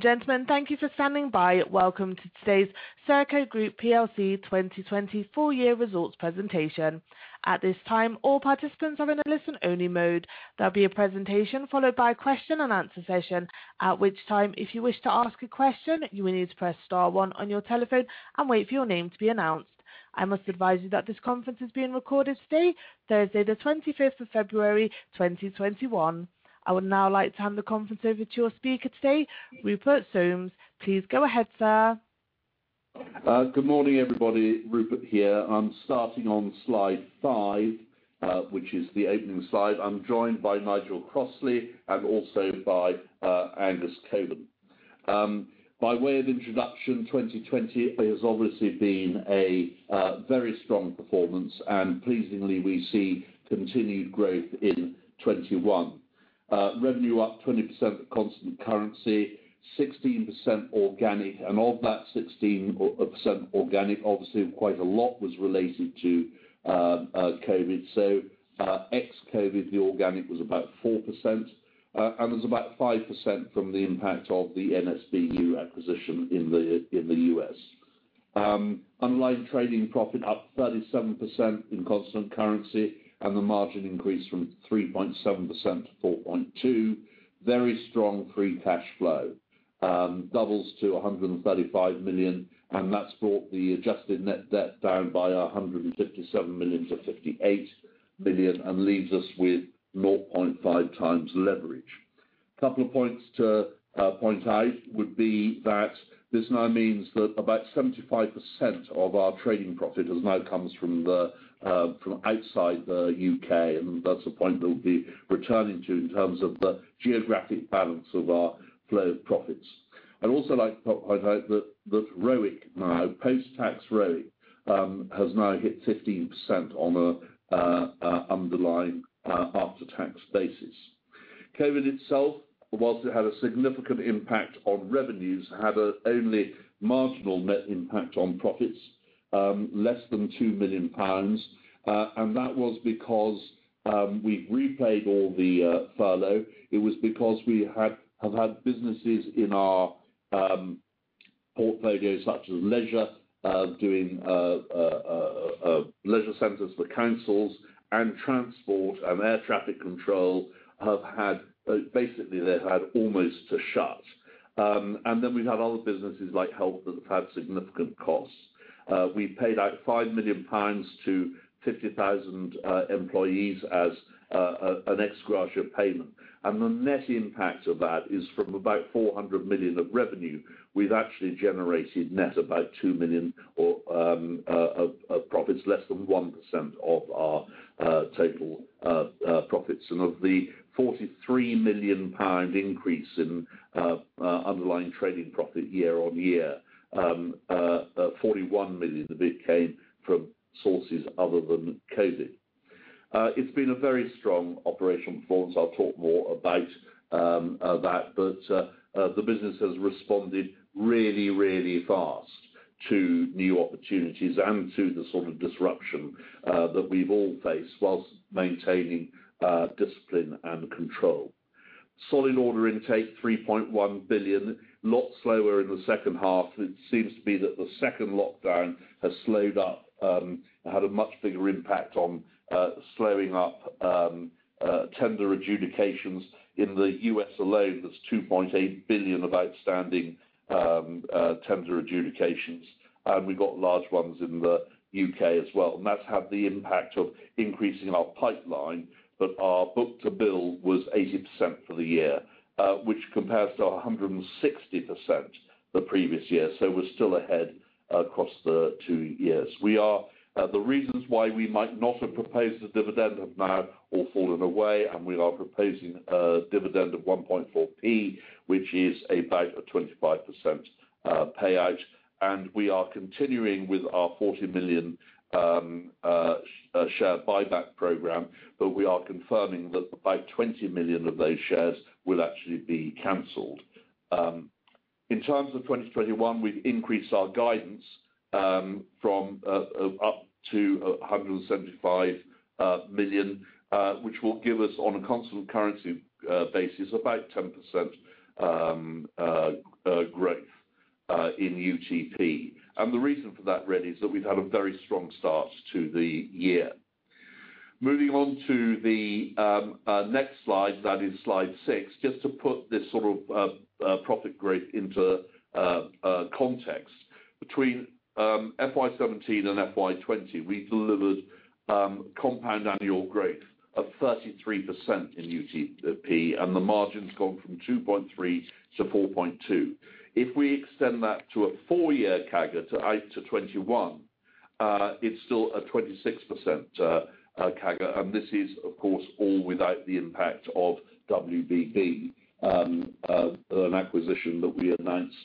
Gentlemen, thank you for standing by. Welcome to today's Serco Group plc 2020 Full Year Results Presentation. At this time, all participants are in a listen-only mode. There'll be a presentation followed by a question and answer session. At which time, if you wish to ask a question, you will need to press star one on your telephone and wait for your name to be announced. I must advise you that this conference is being recorded today, Thursday, the 25th of February, 2021. I would now like to hand the conference over to your speaker today, Rupert Soames. Please go ahead, sir. Good morning, everybody. Rupert here. I am starting on slide five, which is the opening slide. I am joined by Nigel Crossley, and also by Angus Cockburn. By way of introduction, 2020 has obviously been a very strong performance, and pleasingly, we see continued growth in 2021. Revenue up 20% at constant currency, 16% organic, and of that 16% organic, obviously quite a lot was related to COVID. Ex-COVID, the organic was about 4%, and was about 5% from the impact of the NSBU acquisition in the U.S. Underlying trading profit up 37% in constant currency, and the margin increased from 3.7% to 4.2%. Very strong free cash flow. Doubles to 135 million, and that has brought the adjusted net debt down by 157 million to 58 million, and leaves us with 0.5x leverage. Couple of points to point out would be that this now means that about 75% of our trading profit now comes from outside the U.K. That's a point we'll be returning to in terms of the geographic balance of our flow of profits. I'd also like to point out that ROIC, post-tax ROIC, has now hit 15% on an underlying after-tax basis. COVID itself, whilst it had a significant impact on revenues, had an only marginal net impact on profits, less than GBP 2 million. That was because we've repaid all the furlough. It was because we have had businesses in our portfolios, such as leisure, doing leisure centers for councils, and transport and air traffic control have had almost a shut. Then we've had other businesses like Health that have had significant costs. We paid out 5 million pounds to 50,000 employees as an ex gratia payment. The net impact of that is from about 400 million of revenue, we've actually generated net about 2 million of profits, less than 1% of our total profits. Of the 43 million pound increase in underlying trading profit year on year, 41 million of it came from sources other than COVID. It's been a very strong operational performance. I'll talk more about that. The business has responded really, really fast to new opportunities and to the sort of disruption that we've all faced whilst maintaining discipline and control. Solid order intake, 3.1 billion. Lot slower in the second half. It seems to be that the second lockdown has slowed up and had a much bigger impact on slowing up tender adjudications in the U.S. alone, there's 2.8 billion of outstanding tender adjudications. We have got large ones in the U.K. as well. That's had the impact of increasing our pipeline. Our book to bill was 80% for the year, which compares to 160% the previous year. We're still ahead across the two years. The reasons why we might not have proposed a dividend have now all fallen away. We are proposing a dividend of 0.014, which is about a 25% payout. We are continuing with our 40 million share buyback program. We are confirming that about 20 million of those shares will actually be canceled. In terms of 2021, we've increased our guidance from up to 175 million, which will give us, on a constant currency basis, about 10% growth in UTP. The reason for that really is that we've had a very strong start to the year. Moving on to the next slide, that is slide six, just to put this sort of profit growth into context. Between FY 2017 and FY 2020, we delivered compound annual growth of 33% in UTP, and the margin's gone from 2.3% to 4.2%. If we extend that to a four-year CAGR to 2021, it's still a 26% CAGR, and this is, of course, all without the impact of WBB, an acquisition that we announced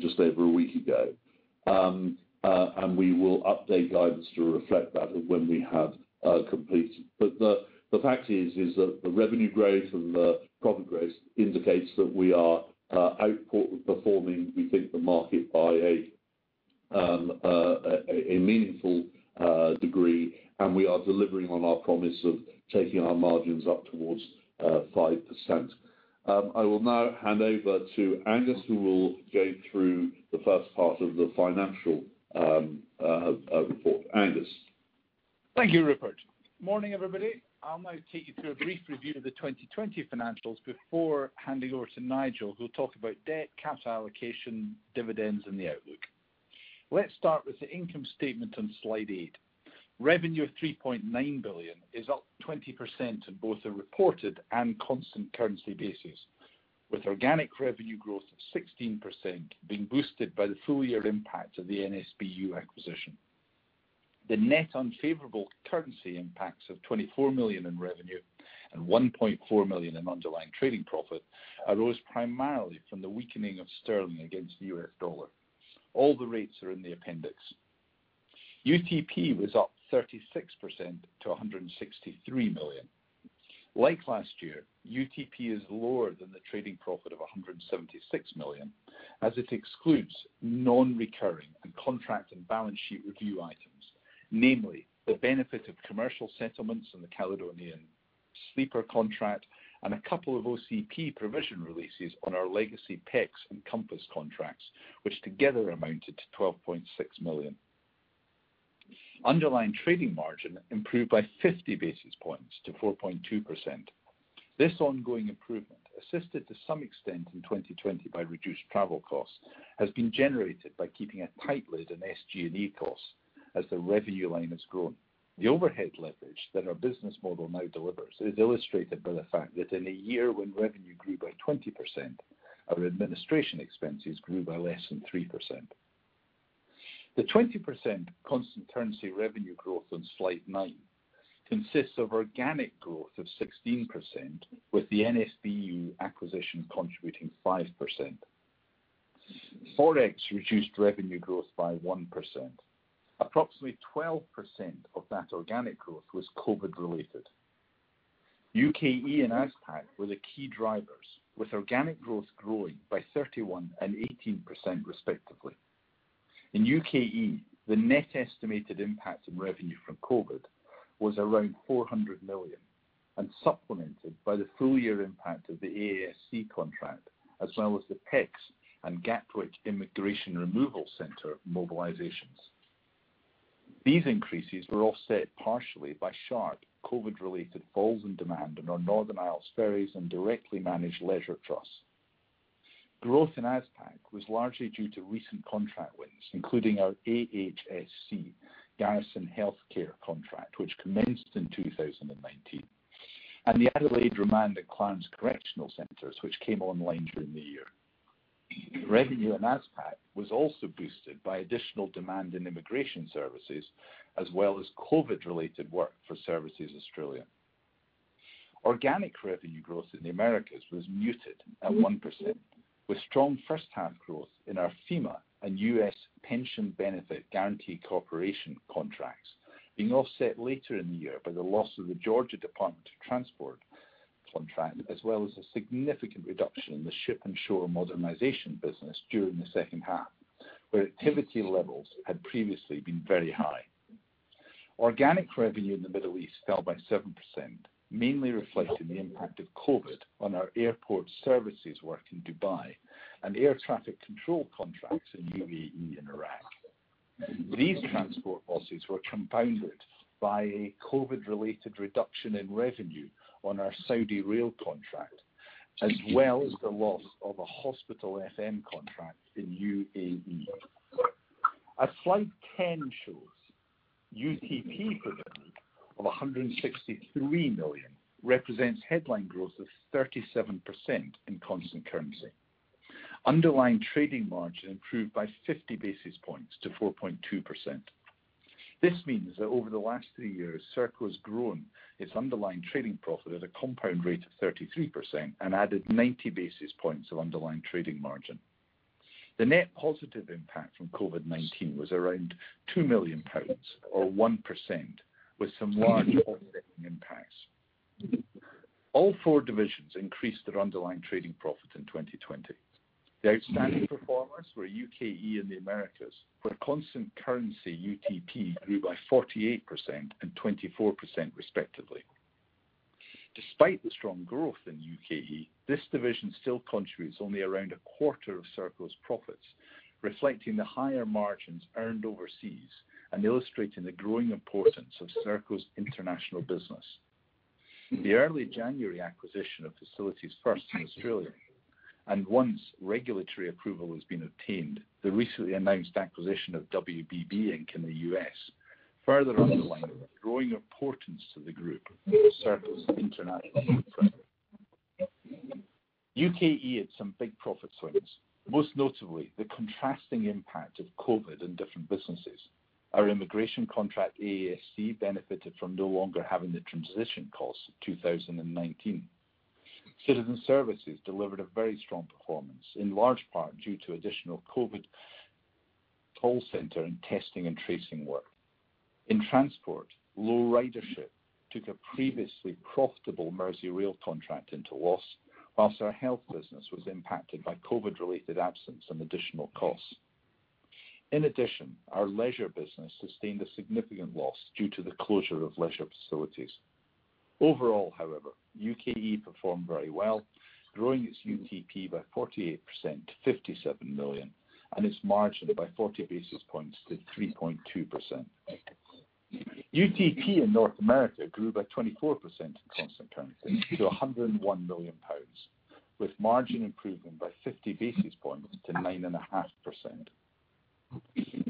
just over a week ago. We will update guidance to reflect that when we have completed. The fact is that the revenue growth and the profit growth indicates that we are outperforming, we think, the market by a meaningful degree, and we are delivering on our promise of taking our margins up towards 5%. I will now hand over to Angus, who will go through the first part of the financial report. Angus? Thank you, Rupert. Morning, everybody. I'll now take you through a brief review of the 2020 financials before handing over to Nigel, who'll talk about debt, capital allocation, dividends, and the outlook. Let's start with the income statement on slide eight. Revenue of 3.9 billion is up 20% in both the reported and constant currency basis, with organic revenue growth of 16% being boosted by the full-year impact of the NSBU acquisition. The net unfavorable currency impacts of 24 million in revenue and 1.4 million in underlying trading profit arose primarily from the weakening of sterling against the U.S. dollar. All the rates are in the appendix. UTP was up 36% to 163 million. Like last year, UTP is lower than the trading profit of 176 million, as it excludes non-recurring and contract and balance sheet review items, namely, the benefit of commercial settlements and the Caledonian Sleeper contract, and a couple of OCP provision releases on our legacy PECS and COMPASS contracts, which together amounted to 12.6 million. Underlying trading margin improved by 50 basis points to 4.2%. This ongoing improvement, assisted to some extent in 2020 by reduced travel costs, has been generated by keeping a tight lid on SG&A costs as the revenue line has grown. The overhead leverage that our business model now delivers is illustrated by the fact that in a year when revenue grew by 20%, our administration expenses grew by less than 3%. The 20% constant currency revenue growth on slide nine consists of organic growth of 16%, with the NSBU acquisition contributing 5%. ForEx reduced revenue growth by 1%. Approximately 12% of that organic growth was COVID related. U.K.&E and AsPac were the key drivers, with organic growth growing by 31% and 18%, respectively. In U.K.&E, the net estimated impact on revenue from COVID was around 400 million and supplemented by the full-year impact of the AASC contract as well as the PECS and Gatwick Immigration Removal Centre mobilizations. These increases were offset partially by sharp COVID-related falls in demand in our Northern Isles Ferries and directly managed leisure trusts. Growth in AsPac was largely due to recent contract wins, including our AHSC, garrison healthcare contract, which commenced in 2019, and the Adelaide Remand and Clarence Correctional Centres, which came online during the year. Revenue in AsPac was also boosted by additional demand in immigration services as well as COVID-related work for Services Australia. Organic revenue growth in the Americas was muted at 1%, with strong first-half growth in our FEMA and U.S. Pension Benefit Guaranty Corporation contracts being offset later in the year by the loss of the Georgia Department of Transport contract as well as a significant reduction in the ship and shore modernization business during the second half, where activity levels had previously been very high. Organic revenue in the Middle East fell by 7%, mainly reflecting the impact of COVID on our airport services work in Dubai and air traffic control contracts in UAE and Iraq. These transport losses were compounded by a COVID-related reduction in revenue on our Saudi Rail contract, as well as the loss of a hospital FM contract in UAE. As slide 10 shows, UTP for the year of 163 million represents headline growth of 37% in constant currency. Underlying trading margin improved by 50 basis points to 4.2%. This means that over the last three years, Serco has grown its underlying trading profit at a compound rate of 33% and added 90 basis points of underlying trading margin. The net positive impact from COVID-19 was around 2 million pounds or 1%, with some large offsetting impacts. All four divisions increased their underlying trading profit in 2020. The outstanding performers were U.K.&E and the Americas, where constant currency UTP grew by 48% and 24%, respectively. Despite the strong growth in U.K.&E, this division still contributes only around a quarter of Serco's profits, reflecting the higher margins earned overseas and illustrating the growing importance of Serco's international business. The early January acquisition of Facilities First Australia, Once regulatory approval has been obtained, the recently announced acquisition of WBB Inc in the U.S. further underline the growing importance to the group of Serco's international footprint. U.K.&E had some big profit swings, most notably the contrasting impact of COVID in different businesses. Our Immigration contract, AASC, benefited from no longer having the transition costs of 2019. Citizen Services delivered a very strong performance, in large part due to additional COVID call center and testing and tracing work. In Transport, low ridership took a previously profitable Merseyrail contract into loss, whilst our Health business was impacted by COVID-related absence and additional costs. In addition, our leisure business sustained a significant loss due to the closure of leisure facilities. Overall, however, U.K.&E performed very well, growing its UTP by 48% to 57 million, and its margin by 40 basis points to 3.2%. UTP in North America grew by 24% in constant currency to 101 million pounds, with margin improvement by 50 basis points to 9.5%.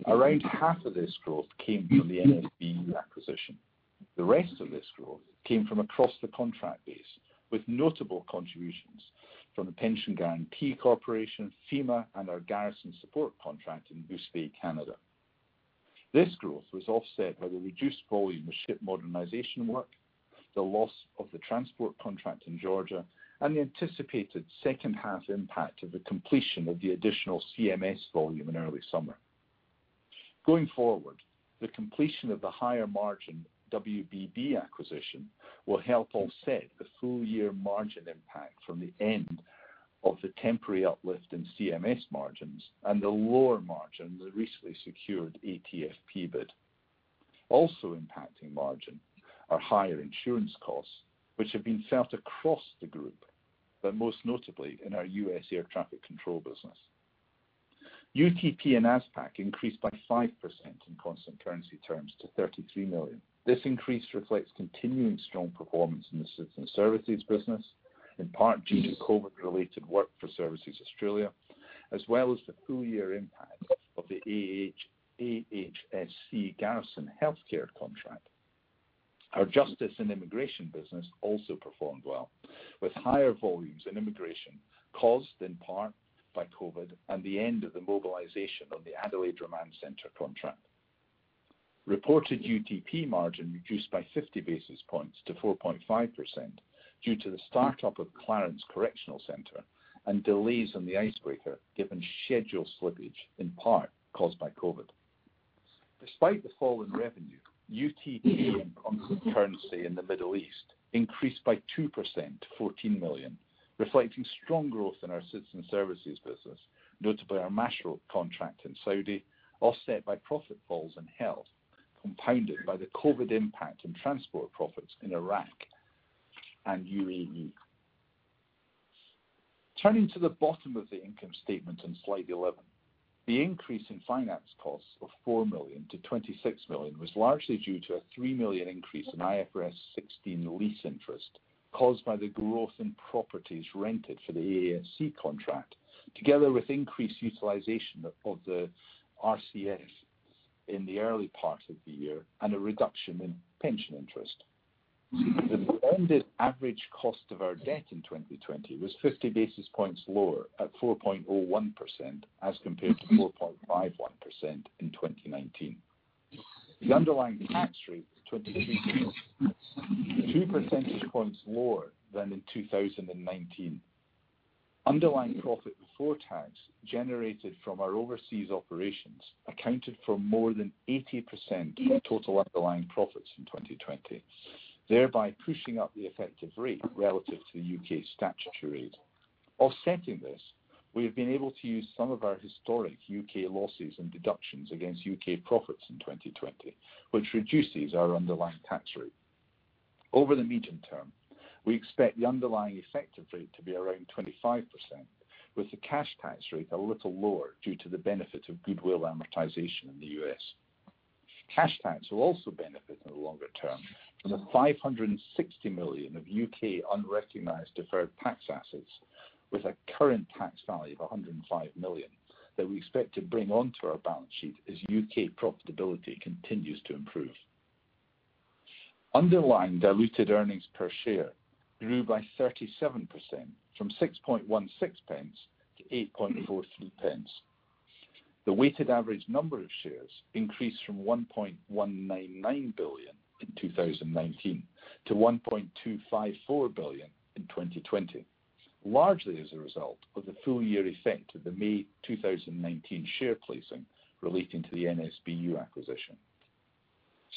Around half of this growth came from the NSBU acquisition. The rest of this growth came from across the contract base, with notable contributions from the Pension Guaranty Corporation, FEMA, and our garrison support contract in Goose Bay, Canada. This growth was offset by the reduced volume of ship modernization work, the loss of the Transport contract in Georgia, and the anticipated second-half impact of the completion of the additional CMS volume in early summer. Going forward, the completion of the higher-margin WBB acquisition will help offset the full-year margin impact from the end of the temporary uplift in CMS margins and the lower margin of the recently secured ATFP bid. Also impacting margin are higher insurance costs, which have been felt across the group, but most notably in our U.S. air traffic control business. UTP in AsPac increased by 5% in constant currency terms to 33 million. This increase reflects continuing strong performance in the Citizen Services business, in part due to COVID-related work for Services Australia, as well as the full-year impact of the AHSC garrison healthcare contract. Our Justice & Immigration business also performed well, with higher volumes in Immigration caused in part by COVID and the end of the mobilization of the Adelaide Remand Centre contract. Reported UTP margin reduced by 50 basis points to 4.5% due to the start-up of Clarence Correctional Centre and delays on the icebreaker, given schedule slippage in part caused by COVID. Despite the fall in revenue, UTP in constant currency in the Middle East increased by 2% to 14 million, reflecting strong growth in our Citizen Services business, notably our Mashroat contract in Saudi, offset by profit falls in Health, compounded by the COVID impact on Transport profits in Iraq and UAE. Turning to the bottom of the income statement on slide 11, the increase in finance costs of 4 million to 26 million was largely due to a 3 million increase in IFRS 16 lease interest caused by the growth in properties rented for the AHSC contract, together with increased utilization of the RCF in the early part of the year and a reduction in pension interest. The blended average cost of our debt in 2020 was 50 basis points lower, at 4.01% as compared to 4.51% in 2019. The underlying tax rate was 23%, 2 percentage points lower than in 2019. Underlying profit before tax generated from our overseas operations accounted for more than 80% of total underlying profits in 2020, thereby pushing up the effective rate relative to the U.K. statutory rate. Offsetting this, we have been able to use some of our historic U.K. losses and deductions against U.K. profits in 2020, which reduces our underlying tax rate. Over the medium term, we expect the underlying effective rate to be around 25%, with the cash tax rate a little lower due to the benefit of goodwill amortization in the U.S. Cash tax will also benefit in the longer term from the 560 million of U.K. unrecognized deferred tax assets, with a current tax value of 105 million that we expect to bring onto our balance sheet as U.K. profitability continues to improve. Underlying diluted earnings per share grew by 37%, from 0.0616 to 0.0843. The weighted average number of shares increased from 1.199 billion in 2019 to 1.254 billion in 2020, largely as a result of the full-year effect of the May 2019 share placing relating to the NSBU acquisition.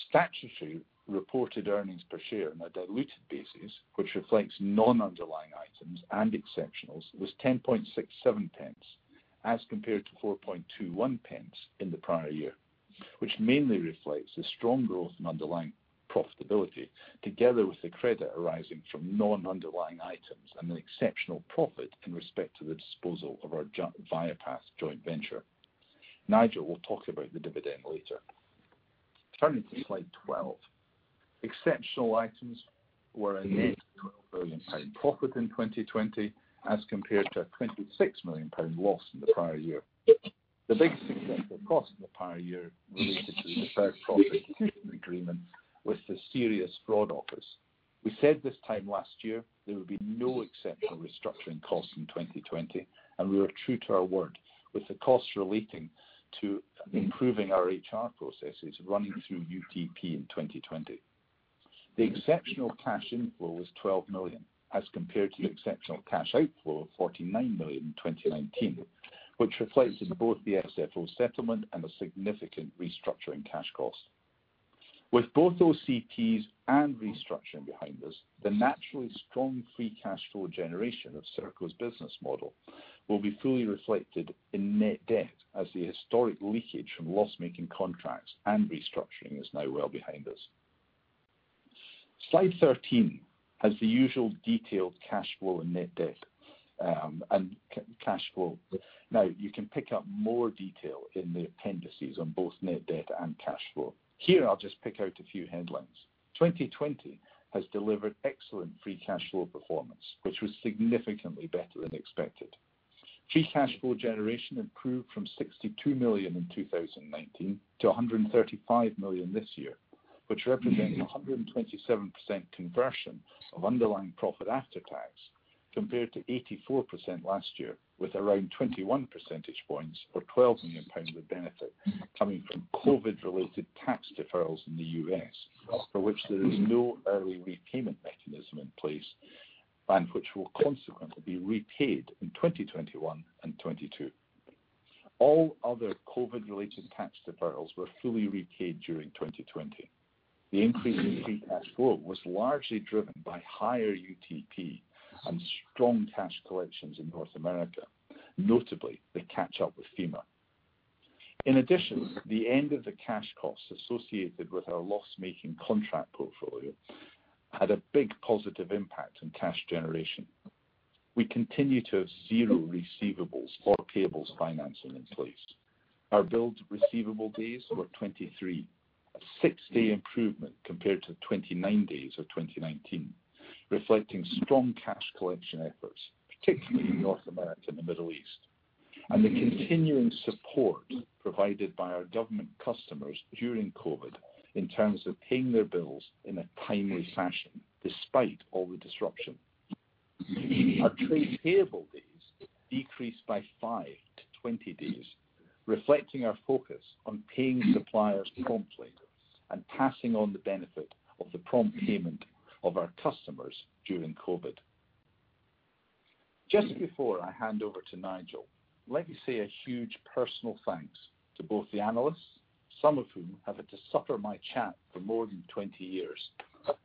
Statutory reported earnings per share on a diluted basis, which reflects non-underlying items and exceptionals, was 0.1067 as compared to 0.0421 in the prior year, which mainly reflects the strong growth in underlying profitability together with the credit arising from non-underlying items and an exceptional profit in respect of the disposal of our Viapath joint venture. Nigel will talk about the dividend later. Turning to slide 12, exceptional items were a GBP 8 million profit in 2020 as compared to a 26 million pound loss in the prior year. The biggest exceptional cost in the prior year related to the deferred profit sharing agreement with the Serious Fraud Office. We said this time last year there would be no exceptional restructuring costs in 2020, and we were true to our word, with the costs relating to improving our HR processes running through UTP in 2020. The exceptional cash inflow was 12 million as compared to the exceptional cash outflow of 49 million in 2019, which reflects in both the SFO settlement and a significant restructuring cash cost. With both OCPs and restructuring behind us, the naturally strong free cash flow generation of Serco's business model will be fully reflected in net debt as the historic leakage from loss-making contracts and restructuring is now well behind us. Slide 13 has the usual detailed cash flow and net debt. You can pick up more detail in the appendices on both net debt and cash flow. Here, I'll just pick out a few headlines. 2020 has delivered excellent free cash flow performance, which was significantly better than expected. Free cash flow generation improved from 62 million in 2019 to 135 million this year, which represents 127% conversion of underlying profit after tax, compared to 84% last year, with around 21 percentage points or 12 million pounds of benefit coming from COVID-related tax deferrals in the U.S., for which there is no early repayment mechanism in place and which will consequently be repaid in 2021 and 2022. All other COVID-related tax deferrals were fully repaid during 2020. The increase in free cash flow was largely driven by higher UTP and strong cash collections in North America, notably the catch-up with FEMA. The end of the cash costs associated with our loss-making contract portfolio had a big positive impact on cash generation. We continue to have zero receivables or payables financing in place. Our bills receivable days were 23, a six-day improvement compared to the 29 days of 2019, reflecting strong cash collection efforts, particularly in North America and the Middle East, and the continuing support provided by our government customers during COVID in terms of paying their bills in a timely fashion despite all the disruption. Our trade payable days decreased by five to 20 days, reflecting our focus on paying suppliers promptly and passing on the benefit of the prompt payment of our customers during COVID. Before I hand over to Nigel, let me say a huge personal thanks to both the analysts, some of whom have had to suffer my chat for more than 20 years,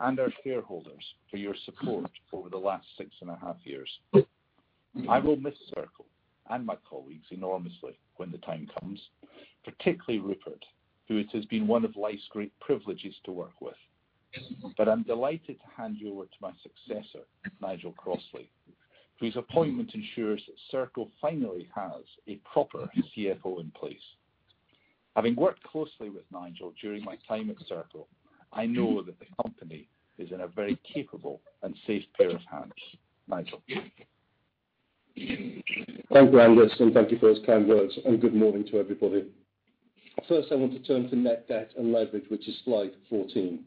and our shareholders for your support over the last six and a half years. I will miss Serco and my colleagues enormously when the time comes, particularly Rupert, who it has been one of life's great privileges to work with. I'm delighted to hand you over to my successor, Nigel Crossley, whose appointment ensures that Serco finally has a proper CFO in place. Having worked closely with Nigel during my time at Serco, I know that the company is in a very capable and safe pair of hands. Nigel? Thank you, Angus, and thank you for those kind words, and good morning to everybody. First, I want to turn to net debt and leverage, which is slide 14.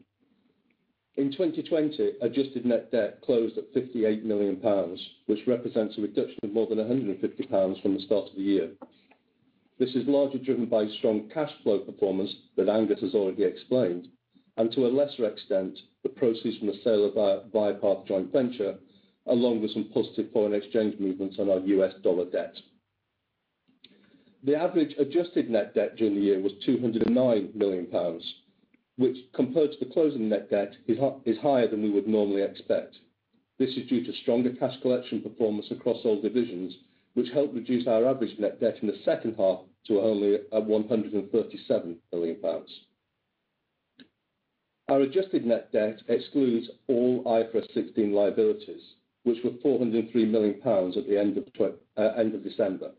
In 2020, adjusted net debt closed at 58 million pounds, which represents a reduction of more than 150 million pounds from the start of the year. This is largely driven by strong cash flow performance that Angus has already explained, and to a lesser extent, the proceeds from the sale of our Viapath joint venture, along with some positive foreign exchange movements on our U.S. dollar debt. The average adjusted net debt during the year was 209 million pounds, which, compared to the closing net debt, is higher than we would normally expect. This is due to stronger cash collection performance across all divisions, which helped reduce our average net debt in the second half to only 137 million pounds. Our adjusted net debt excludes all IFRS 16 liabilities, which were 403 million pounds at the end of December.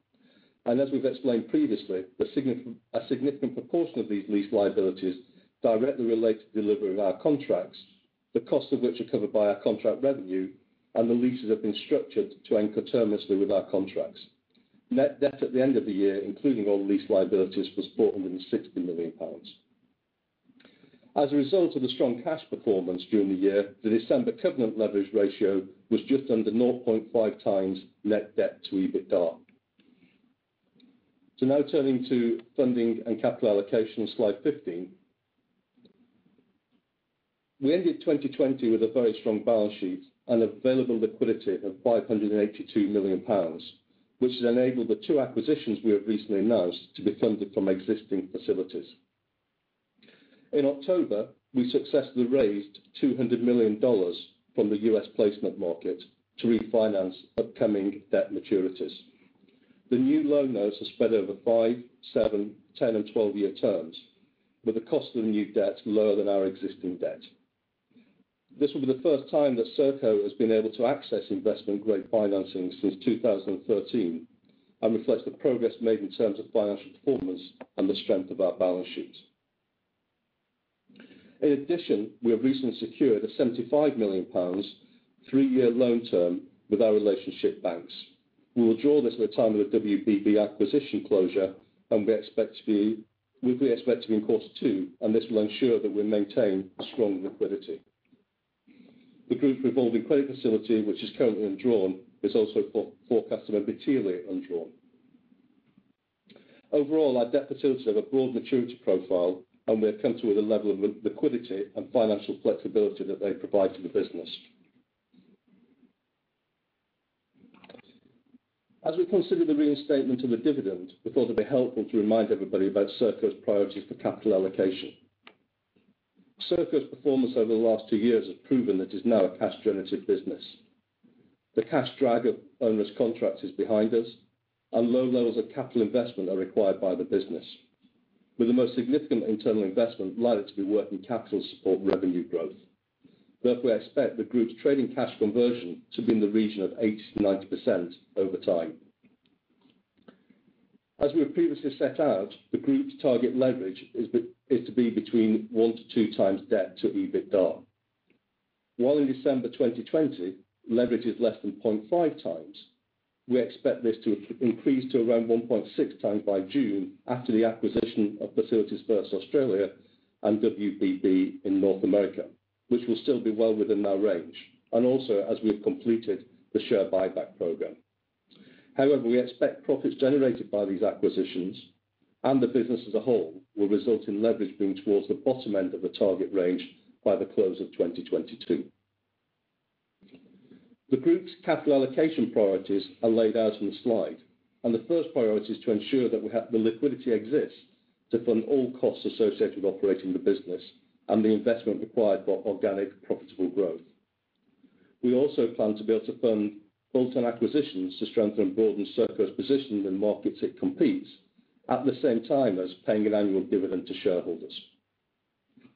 As we've explained previously, a significant proportion of these lease liabilities directly relate to delivery of our contracts, the cost of which are covered by our contract revenue, and the leases have been structured to end co-termously with our contracts. Net debt at the end of the year, including all lease liabilities, was 460 million pounds. As a result of the strong cash performance during the year, the December covenant leverage ratio was just under 0.5x net debt to EBITDA. Now turning to funding and capital allocation, slide 15. We ended 2020 with a very strong balance sheet and available liquidity of 582 million pounds, which has enabled the two acquisitions we have recently announced to be funded from existing facilities. In October, we successfully raised GBP 200 million from the U.S. placement market to refinance upcoming debt maturities. The new loan notes are spread over five, seven, 10, and 12-year terms, with the cost of the new debt lower than our existing debt. This will be the first time that Serco has been able to access investment-grade financing since 2013 and reflects the progress made in terms of financial performance and the strength of our balance sheet. In addition, we have recently secured a 75 million pounds three-year loan term with our relationship banks. We will draw this at the time of the WBB acquisition closure, roughly expecting in quarter two, and this will ensure that we maintain strong liquidity. The group revolving credit facility, which is currently undrawn, is also forecasted it materially undrawn. Overall, our debt facilities have a broad maturity profile, and we are comfortable with the level of liquidity and financial flexibility that they provide to the business. As we consider the reinstatement of a dividend, we thought it would be helpful to remind everybody about Serco's priorities for capital allocation. Serco's performance over the last two years has proven that it is now a cash-generative business. The cash drag of onerous contracts is behind us, and low levels of capital investment are required by the business, with the most significant internal investment likely to be working capital to support revenue growth. Therefore, we expect the group's trading cash conversion to be in the region of 80%-90% over time. As we have previously set out, the group's target leverage is to be between 1x-2x debt to EBITDA. While in December 2020, leverage is less than 0.5x, we expect this to increase to around 1.6x by June after the acquisition of Facilities First Australia and WBB in North America, which will still be well within our range, and also as we have completed the share buyback program. However, we expect profits generated by these acquisitions, and the business as a whole, will result in leverage being towards the bottom end of the target range by the close of 2022. The group's capital allocation priorities are laid out on the slide, the first priority is to ensure that the liquidity exists to fund all costs associated with operating the business and the investment required for organic profitable growth. We also plan to be able to fund bolt-on acquisitions to strengthen and broaden Serco's position in markets it competes, at the same time as paying an annual dividend to shareholders.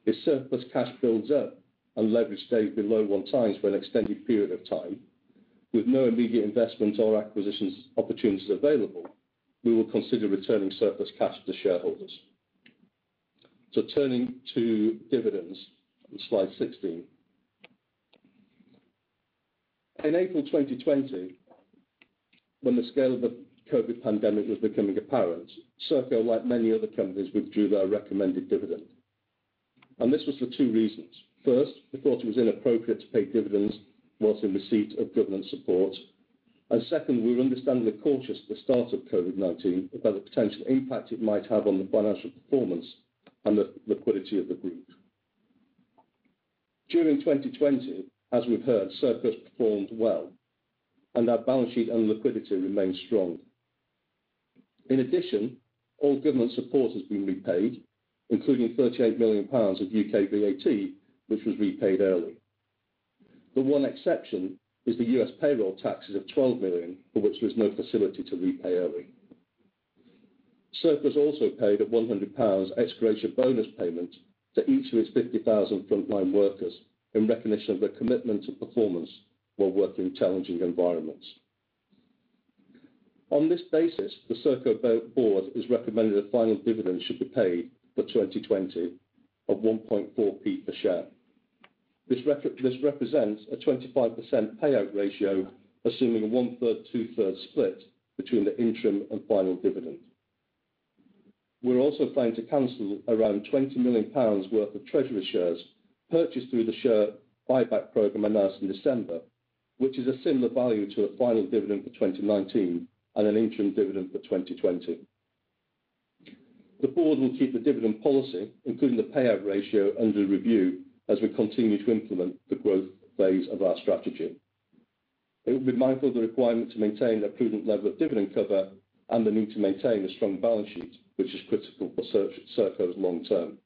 If surplus cash builds up and leverage stays below 1x for an extended period of time, with no immediate investment or acquisition opportunities available, we will consider returning surplus cash to shareholders. Turning to dividends on slide 16. In April 2020, when the scale of the COVID pandemic was becoming apparent, Serco, like many other companies, withdrew their recommended dividend. This was for two reasons. First, we thought it was inappropriate to pay dividends whilst in receipt of government support. Second, we were understandably cautious at the start of COVID-19 about the potential impact it might have on the financial performance and the liquidity of the group. During 2020, as we've heard, Serco has performed well. Our balance sheet and liquidity remain strong. In addition, all government support has been repaid, including 38 million pounds of U.K. VAT, which was repaid early. The one exception is the U.S. payroll taxes of 12 million, for which there was no facility to repay early. Serco has also paid a 100 pounds ex gratia bonus payment to each of its 50,000 frontline workers in recognition of their commitment to performance while working in challenging environments. On this basis, the Serco board has recommended a final dividend should be paid for 2020 of 0.014 per share. This represents a 25% payout ratio, assuming a one-third/two-third split between the interim and final dividend. We're also planning to cancel around 20 million pounds worth of treasury shares purchased through the share buyback program announced in December, which is a similar value to a final dividend for 2019 and an interim dividend for 2020. The board will keep the dividend policy, including the payout ratio, under review as we continue to implement the growth phase of our strategy. It will be mindful of the requirement to maintain a prudent level of dividend cover and the need to maintain a strong balance sheet, which is critical for Serco's long term.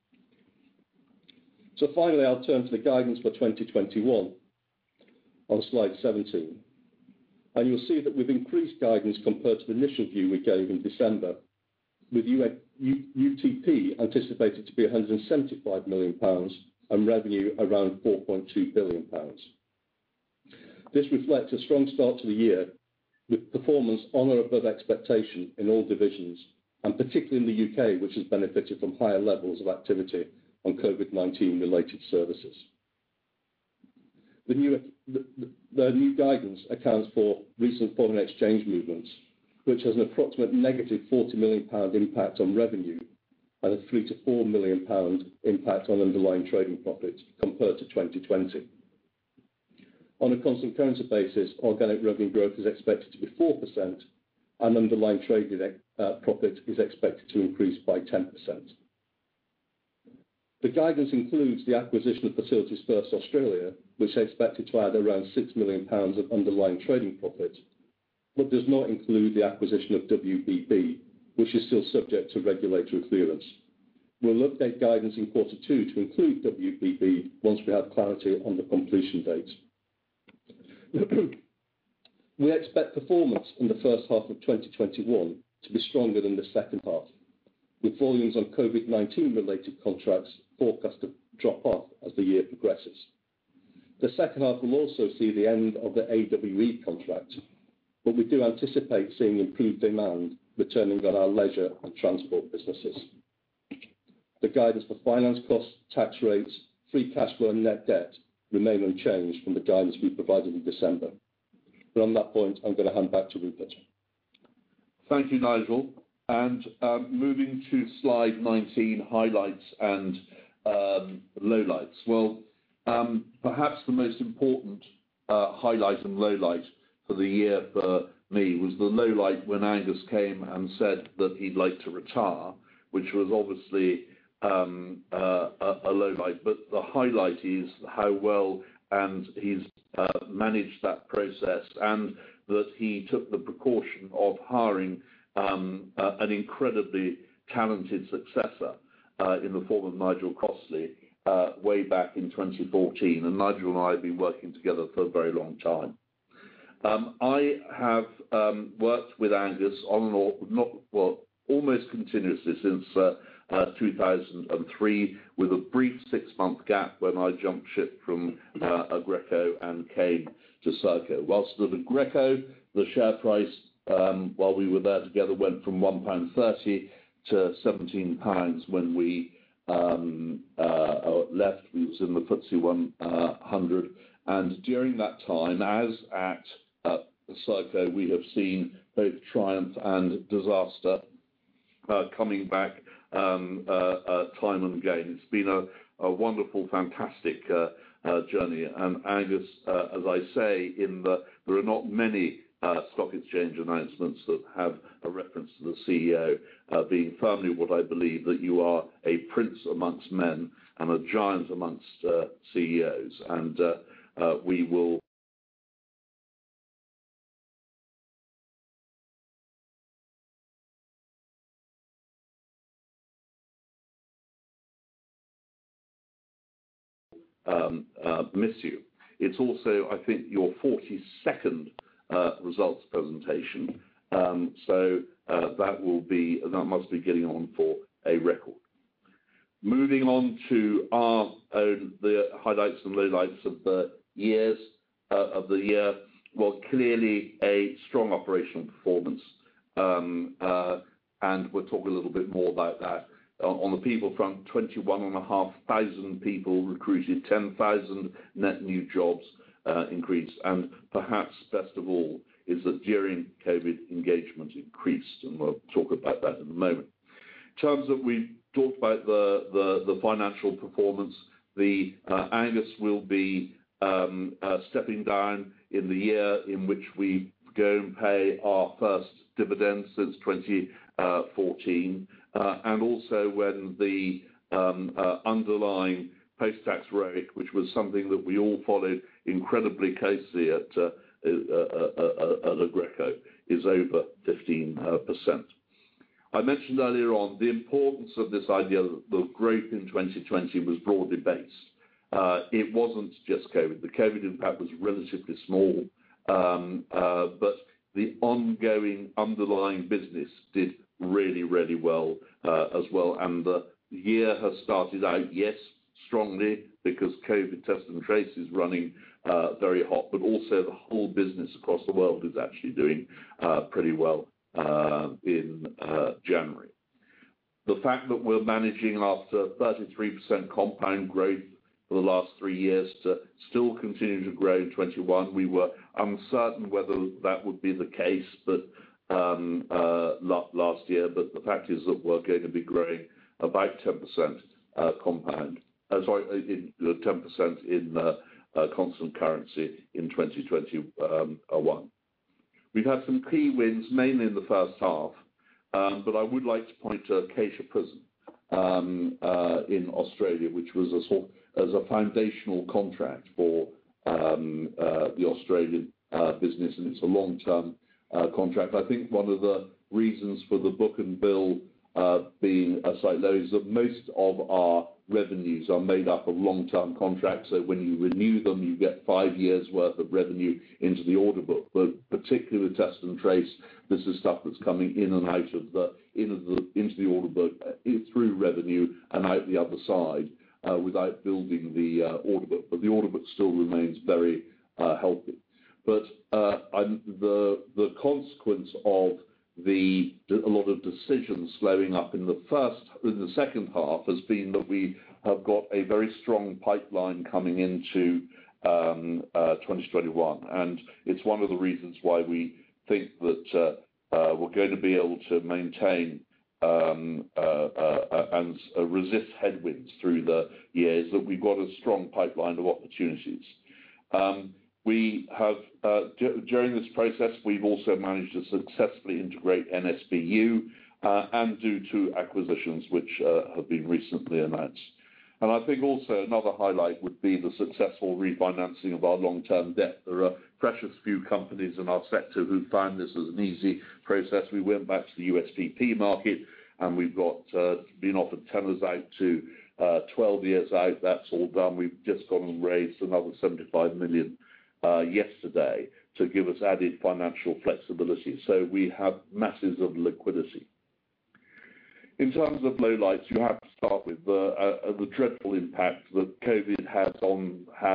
Finally, I'll turn to the guidance for 2021 on slide 17. You'll see that we've increased guidance compared to the initial view we gave in December. With UTP anticipated to be 175 million pounds and revenue around 4.2 billion pounds. This reflects a strong start to the year with performance on or above expectation in all divisions, and particularly in the U.K., which has benefited from higher levels of activity on COVID-19 related services. The new guidance accounts for recent foreign exchange movements, which has an approximate negative 40 million pound impact on revenue and a 3 million-4 million pound impact on underlying trading profits compared to 2020. On a constant currency basis, organic revenue growth is expected to be 4%, and underlying trading profit is expected to increase by 10%. The guidance includes the acquisition of Facilities First Australia, which is expected to add around 6 million pounds of underlying trading profit, but does not include the acquisition of WBB, which is still subject to regulatory clearance. We will update guidance in quarter two to include WBB once we have clarity on the completion date. We expect performance in the first half of 2021 to be stronger than the second half, with volumes on COVID-19 related contracts forecast to drop off as the year progresses. The second half will also see the end of the AWE contract, but we do anticipate seeing improved demand returning on our leisure and transport businesses. The guidance for finance costs, tax rates, free cash flow, and net debt remain unchanged from the guidance we provided in December. On that point, I'm going to hand back to Rupert. Thank you, Nigel. Moving to slide 19, highlights and lowlights. Perhaps the most important highlight and lowlight of the year for me was the lowlight when Angus came and said that he'd like to retire, which was obviously a lowlight. The highlight is how well and he's managed that process, and that he took the precaution of hiring an incredibly talented successor in the form of Nigel Crossley way back in 2014. Nigel and I have been working together for a very long time. I have worked with Angus on and off, well, almost continuously since 2003, with a brief six-month gap when I jumped ship from Aggreko and came to Serco. Whilst at Aggreko, the share price, while we were there together, went from 1.30 pound to 17 pounds when we left. We was in the FTSE 100. During that time, as at Serco, we have seen both triumph and disaster coming back time and again. It's been a wonderful, fantastic journey. Angus, as I say in There are not many stock exchange announcements that have a reference to the CEO, being firmly what I believe that you are a prince amongst men and a giant amongst CEOs, and we will miss you. It's also, I think, your 42nd results presentation. That must be getting on for a record. Moving on to our own, the highlights and lowlights of the year. Well, clearly a strong operational performance. We'll talk a little bit more about that. On the people front, 21,500 people recruited, 10,000 net new jobs increase. Perhaps best of all is that during COVID, engagement increased, and we'll talk about that in a moment. In terms of the financial performance, Angus will be stepping down in the year in which we go and pay our first dividend since 2014. Also when the underlying post-tax rate, which was something that we all followed incredibly closely at Aggreko, is over 15%. I mentioned earlier on the importance of this idea that the growth in 2020 was broadly based. It wasn't just COVID. The COVID impact was relatively small. The ongoing underlying business did really, really well, as well. The year has started out, yes, strongly, because COVID Test and Trace is running very hot. Also the whole business across the world is actually doing pretty well in January. The fact that we're managing after 33% compound growth for the last three years to still continue to grow in 2021, we were uncertain whether that would be the case last year. The fact is that we're going to be growing about 10% compound. Sorry, 10% in constant currency in 2021. We've had some key wins, mainly in the first half. I would like to point to Acacia Prison in Australia, which was a foundational contract for the Australian business, and it's a long-term contract. I think one of the reasons for the book and bill being as low is that most of our revenues are made up of long-term contracts. So when you renew them, you get five years worth of revenue into the order book. Particularly Test and Trace, this is stuff that's coming in and out of the into the order book through revenue and out the other side without building the order book. The order book still remains very healthy. The consequence of a lot of decisions loading up in the second half has been that we have got a very strong pipeline coming into 2021, and it's one of the reasons why we think that we're going to be able to maintain and resist headwinds through the years, that we've got a strong pipeline of opportunities. During this process, we've also managed to successfully integrate NSBU and do two acquisitions, which have been recently announced. I think also another highlight would be the successful refinancing of our long-term debt. There are precious few companies in our sector who find this as an easy process. We went back to the U.S. PP market. We've been offered tenors out to 12 years out. That's all done. We've just gone and raised another 75 million yesterday to give us added financial flexibility. We have masses of liquidity. In terms of lowlights, you have to start with the dreadful impact that COVID had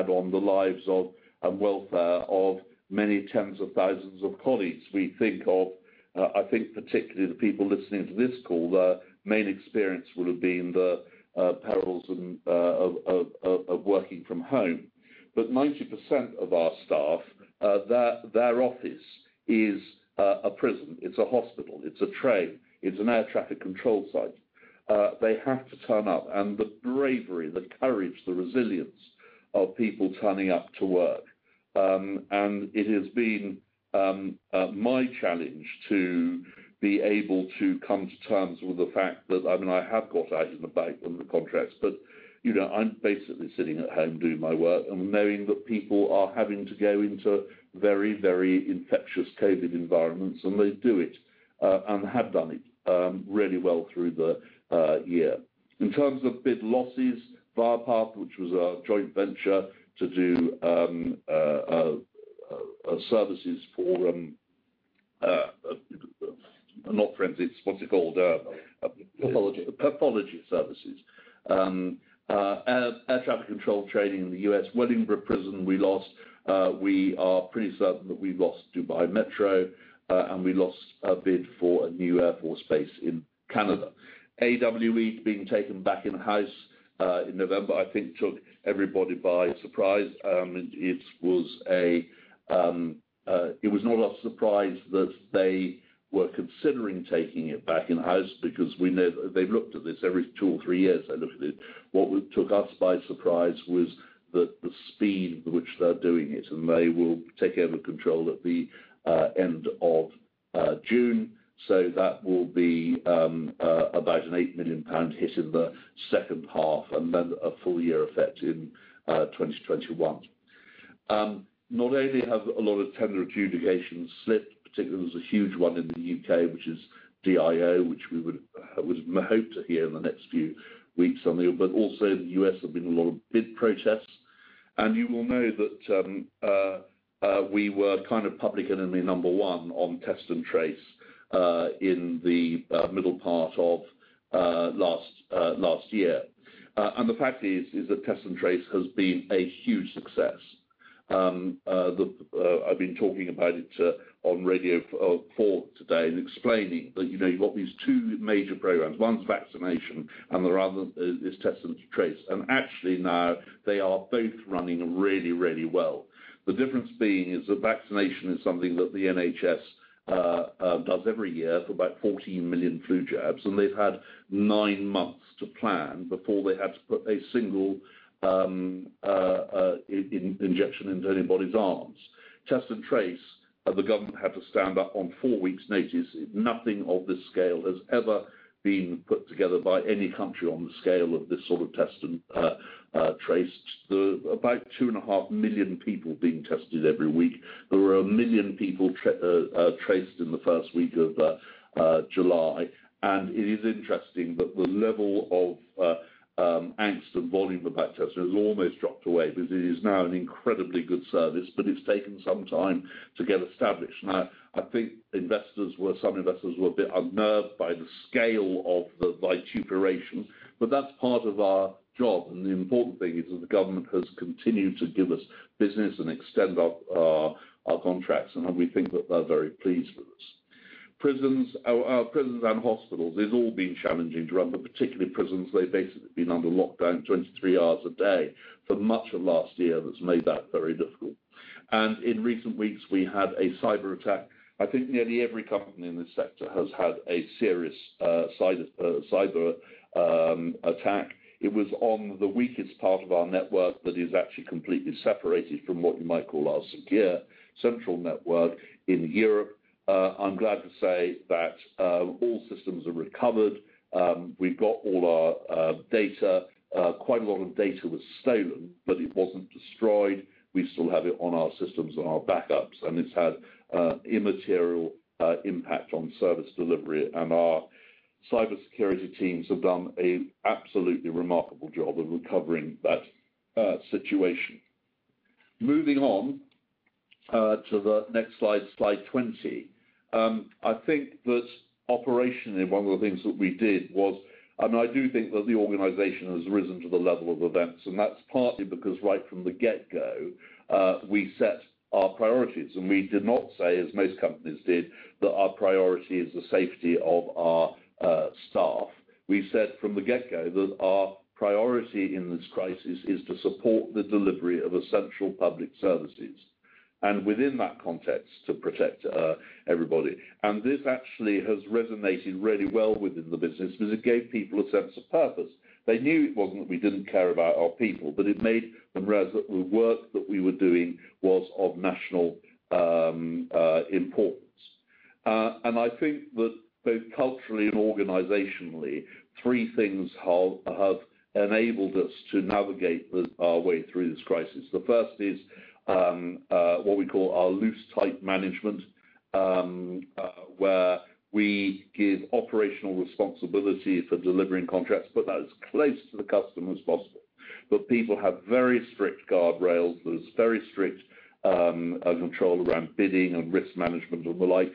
on the lives of, and welfare of many tens of thousands of colleagues. I think particularly the people listening to this call, their main experience would have been the perils of working from home. 90% of our staff, their office is a prison, it's a hospital, it's a train, it's an air traffic control site. They have to turn up. The bravery, the courage, the resilience of people turning up to work. It has been my challenge to be able to come to terms with the fact that, I have got out and about on the contracts, but I'm basically sitting at home doing my work and knowing that people are having to go into very, very infectious COVID environments, and they do it, and have done it really well through the year. In terms of bid losses, Viapath, which was our joint venture to do services for, not forensics, what's it called? Pathology. Pathology services. Air traffic control training in the U.S., Wellingborough Prison, we lost. We are pretty certain that we lost Dubai Metro, we lost a bid for a new Air Force base in Canada. AWE being taken back in-house in November, I think took everybody by surprise. It was not a surprise that they were considering taking it back in-house because they've looked at this every two or three years, they looked at it. What took us by surprise was the speed at which they're doing it, they will take over control at the end of June. That will be about a 8 million pound hit in the second half, then a full-year effect in 2021. Not only have a lot of tender adjudications slipped, particularly there was a huge one in the U.K., which is DIO, which we would hope to hear in the next few weeks. Also in the U.S., there have been a lot of bid protests. You will know that we were public and only number one on Test and Trace in the middle part of last year. The fact is that Test and Trace has been a huge success. I've been talking about it on Radio Four today and explaining that you've got these two major programs. One's vaccination and the other is Test and Trace. Actually now they are both running really well. The difference being is that vaccination is something that the NHS does every year for about 14 million flu jabs, and they've had nine months to plan before they had to put a single injection into anybody's arms. Test and Trace, the government had to stand up on four weeks' notice. Nothing of this scale has ever been put together by any country on the scale of this sort of Test and Trace. About 2.5 million people being tested every week. There were a million people traced in the first week of July. It is interesting that the level of angst and volume about testing has almost dropped away because it is now an incredibly good service, but it's taken some time to get established. Now, I think some investors were a bit unnerved by the scale of the vituperation, but that's part of our job. The important thing is that the government has continued to give us business and extend our contracts, and we think that they're very pleased with us. Prisons and hospitals, these have all been challenging to run, but particularly prisons. They've basically been under lockdown 23 hours a day for much of last year. That's made that very difficult. In recent weeks, we had a cyber attack. I think nearly every company in this sector has had a serious cyber attack. It was on the weakest part of our network that is actually completely separated from what you might call our secure central network in Europe. I'm glad to say that all systems have recovered. We got all our data. Quite a lot of data was stolen, but it wasn't destroyed. We still have it on our systems and our backups, it's had immaterial impact on service deliver. Our cybersecurity teams have done a absolutely remarkable job of recovering that situation. Moving on to the next slide 20. I think that operationally, one of the things that we did was, I do think that the organization has risen to the level of events, That's partly because right from the get-go, we set our priorities, We did not say, as most companies did, that our priority is the safety of our staff. We said from the get-go that our priority in this crisis is to support the delivery of essential public services, Within that context, to protect everybody. This actually has resonated really well within the business because it gave people a sense of purpose. They knew it wasn't that we didn't care about our people, but it made them realize that the work that we were doing was of national importance. I think that both culturally and organizationally, three things have enabled us to navigate our way through this crisis. The first is what we call our loose, tight management, where we give operational responsibility for delivering contracts, but that is as close to the customer as possible. People have very strict guardrails. There's very strict control around bidding and risk management and the like.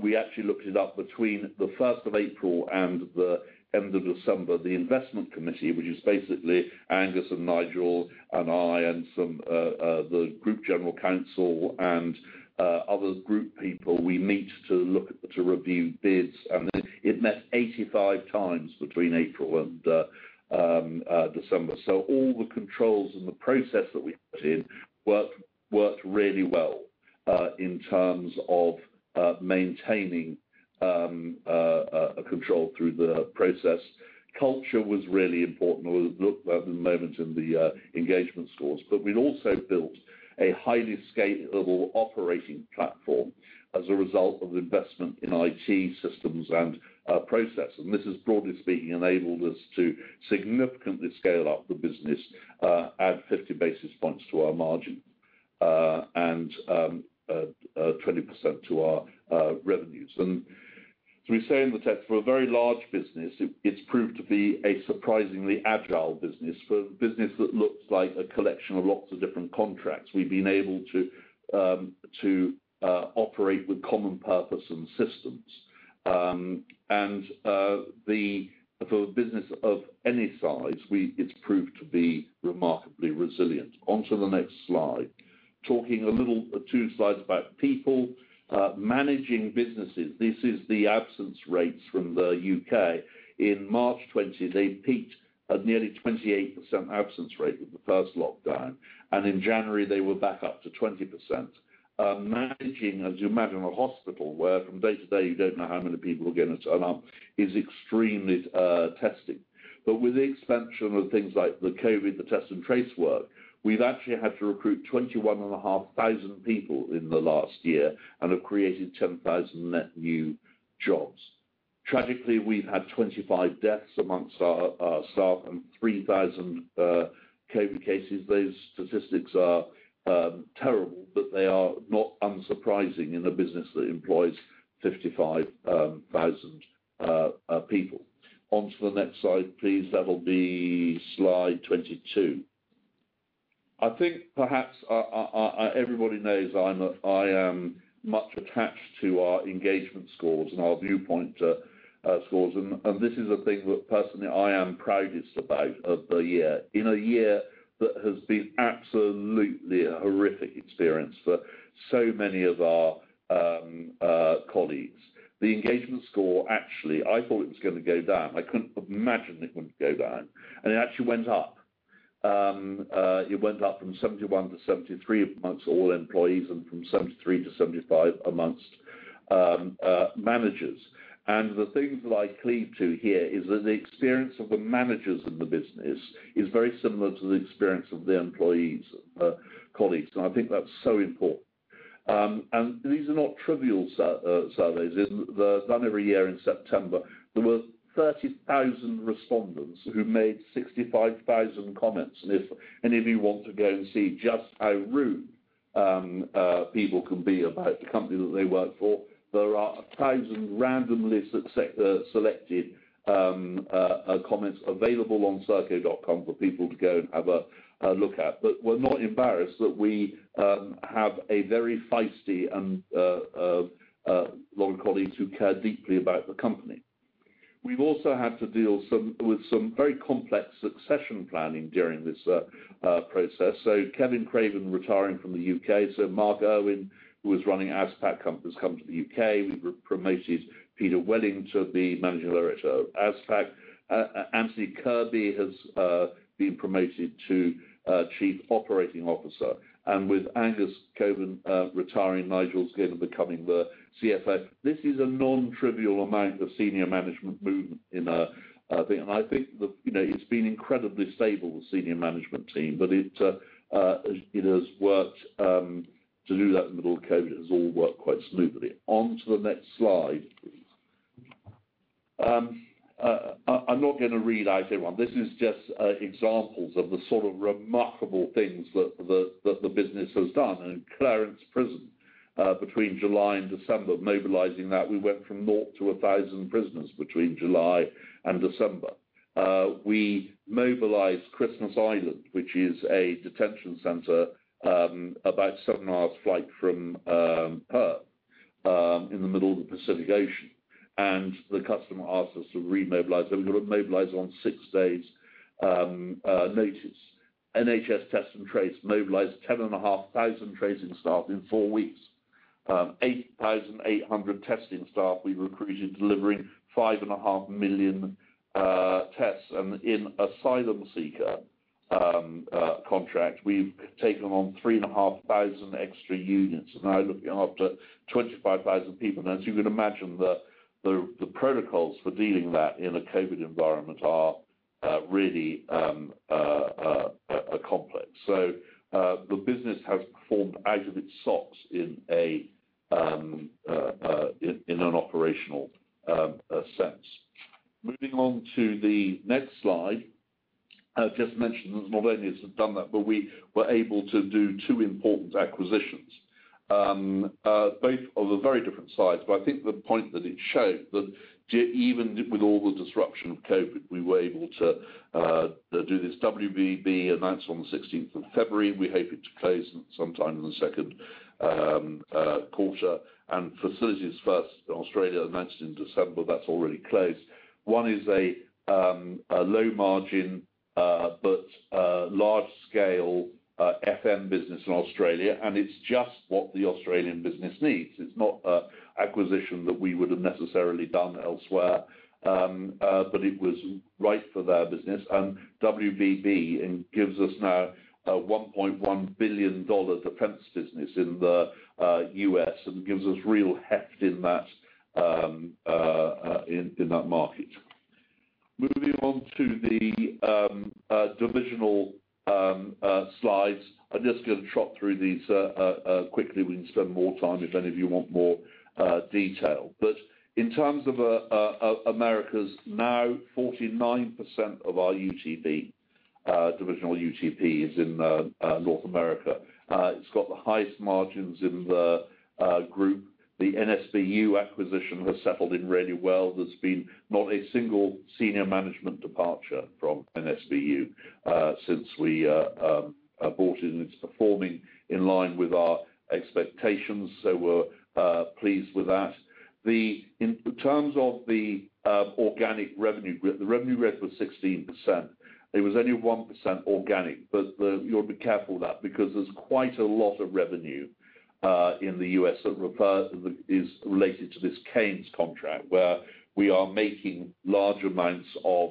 We actually looked it up between the 1st of April and the end of December, the Investment Committee, which is basically Angus and Nigel and I, and the group general counsel and other group people, we meet to review bids, and it met 85 times between April and December. All the controls and the process that we put in worked really well. In terms of maintaining control through the process, culture was really important. We'll look at the moment in the engagement scores, but we'd also built a highly scalable operating platform as a result of investment in IT systems and process. This has, broadly speaking, enabled us to significantly scale up the business, add 50 basis points to our margin, and 20% to our revenues. As we say in the text, for a very large business, it's proved to be a surprisingly agile business. For a business that looks like a collection of lots of different contracts, we've been able to operate with common purpose and systems. For a business of any size, it's proved to be remarkably resilient. Onto the next slide. Talking a little, two slides about people. Managing businesses, this is the absence rates from the U.K. In March 2020, they peaked at nearly 28% absence rate with the first lockdown, and in January they were back up to 20%. Managing, as you imagine, a hospital where from day to day you don't know how many people are going to turn up is extremely testing. With the expansion of things like the COVID, the Test and Trace work, we've actually had to recruit 21,500 people in the last year and have created 10,000 net new jobs. Tragically, we've had 25 deaths amongst our staff and 3,000 COVID cases. Those statistics are terrible, but they are not unsurprising in a business that employs 55,000 people. Onto the next slide, please. That'll be slide 22. I think perhaps everybody knows I am much attached to our engagement scores and our viewpoint scores, and this is the thing that personally I am proudest about of the year. In a year that has been absolutely a horrific experience for so many of our colleagues, the engagement score, actually, I thought it was going to go down. I couldn't imagine it wouldn't go down, and it actually went up. It went up from 71 to 73 amongst all employees and from 73 to 75 amongst managers. The thing that I cleave to here is that the experience of the managers of the business is very similar to the experience of the employees, colleagues, and I think that's so important. These are not trivial surveys. They're done every year in September. There were 30,000 respondents who made 65,000 comments, and if any of you want to go and see just how rude people can be about the company that they work for, there are 1,000 randomly selected comments available on serco.com for people to go and have a look at. We're not embarrassed that we have a very feisty lot of colleagues who care deeply about the company. We've also had to deal with some very complex succession planning during this process. Kevin Craven retiring from the U.K., so Mark Irwin, who was running AsPac company, has come to the U.K. We've promoted Peter Welling to be Managing Director of AsPac. Anthony Kirby has been promoted to Chief Operating Officer. With Angus Cockburn retiring, Nigel's going to becoming the CFO. This is a non-trivial amount of senior management movement, and I think it's been incredibly stable, the senior management team, but it has worked to do that in the middle of COVID. It's all worked quite smoothly. Onto the next slide, please. I'm not going to read out every one. This is just examples of the sort of remarkable things that the business has done. In Clarence Correctional Centre, between July and December, mobilizing that, we went from 0 to 1,000 prisoners between July and December. We mobilized Christmas Island, which is a detention center about seven hours flight from Perth, in the middle of the Pacific Ocean. The customer asked us to remobilize them. We mobilized on six days notice. NHS Test and Trace mobilized 10,500 tracing staff in four weeks. 8,800 testing staff we recruited, delivering 5.5 million tests. In asylum seeker contract, we've taken on 3,500 extra units. We're now looking after 25,000 people. As you can imagine, the protocols for dealing that in a COVID environment are really complex. The business has performed out of its socks in an operational sense. Moving on to the next slide. I've just mentioned that not only has we done that, but we were able to do two important acquisitions. Both of very different size, but I think the point that it showed that even with all the disruption of COVID, we were able to do this. WBB announced on the 16th of February. We hope it to close sometime in the second quarter. Facilities First Australia announced in December, that's already closed. One is a low margin, but large scale FM business in Australia, and it's just what the Australian business needs. It is not an acquisition that we would have necessarily done elsewhere, but it was right for their business. WBB, it gives us now a GBP 1.1 billion Defence business in the U.S., and gives us real heft in that market. Moving on to the divisional slides. I am just going to trot through these quickly. We can spend more time if any of you want more detail. In terms of Americas, now 49% of our UTP, divisional UTP, is in North America. It has got the highest margins in the group. The NSBU acquisition has settled in really well. There has been not a single senior management departure from NSBU since we bought it, and it is performing in line with our expectations, so we are pleased with that. In terms of the organic revenue growth, the revenue growth was 16%. There was only 1% organic. You ought to be careful of that, because there's quite a lot of revenue in the U.S. that is related to this CANES contract, where we are making large amounts of,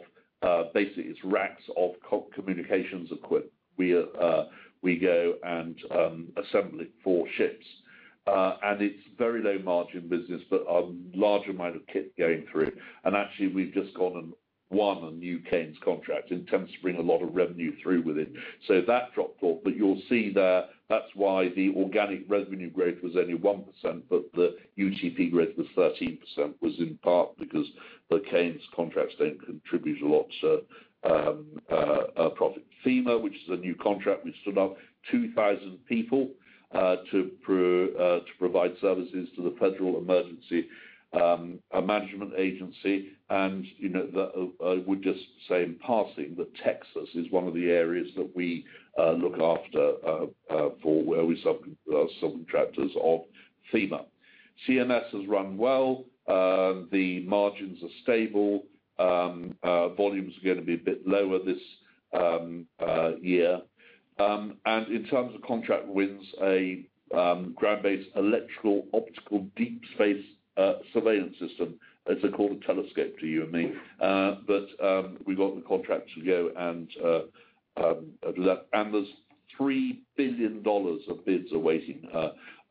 basically it's racks of communications equipment. We go and assemble it for ships. It's very low margin business, but a large amount of kit going through. Actually we've just gone and won a new CANES contract and tend to bring a lot of revenue through with it. That dropped off. You'll see there, that's why the organic revenue growth was only 1%, but the UTP growth was 13%, was in part because the CANES contracts then contribute a lot to our profit. FEMA, which is a new contract, we stood up 2,000 people to provide services to the Federal Emergency Management Agency. I would just say in passing that Texas is one of the areas that we look after for where we subcontractors of FEMA. CMS has run well. The margins are stable. Volumes are going to be a bit lower this year. In terms of contract wins, a ground-based electro-optical deep space surveillance system. It's called a telescope to you and me. We got the contract to go, and there's GBP 3 billion of bids awaiting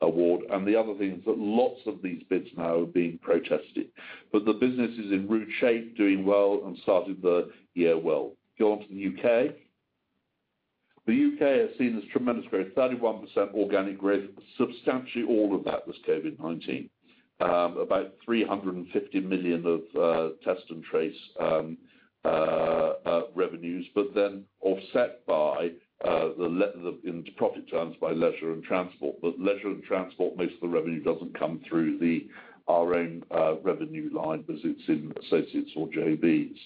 award. The other thing is that lots of these bids now are being protested. The business is in rude shape, doing well, and started the year well. Go on to the U.K. The U.K. has seen this tremendous growth, 31% organic growth. Substantially all of that was COVID-19. About 350 million of Test and Trace revenues, but then offset by the into profit terms, by leisure and transport. Leisure and transport, most of the revenue doesn't come through our own revenue line as it's in associates or JVs.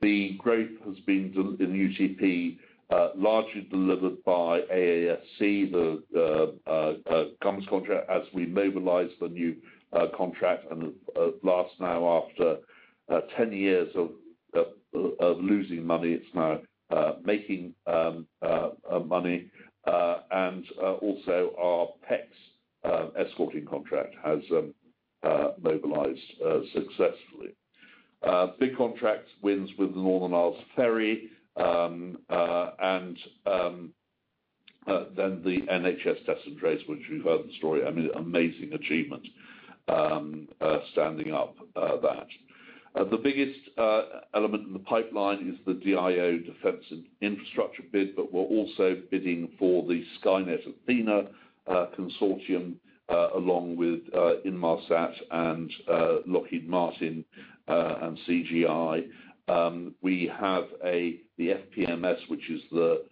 The growth has been in UTP, largely delivered by AASC, the commerce contract, as we mobilize the new contract. At last now, after 10 years of losing money, it's now making money. Also our PECS escorting contract has mobilized successfully. Big contract wins with the NorthLink Ferries, and then the NHS Test and Trace, which you've heard the story. I mean, amazing achievement standing up that. The biggest element in the pipeline is the DIO Defence Infrastructure bid, we're also bidding for the Skynet Athena consortium, along with Inmarsat and Lockheed Martin and CGI. We have the FPMS, which is the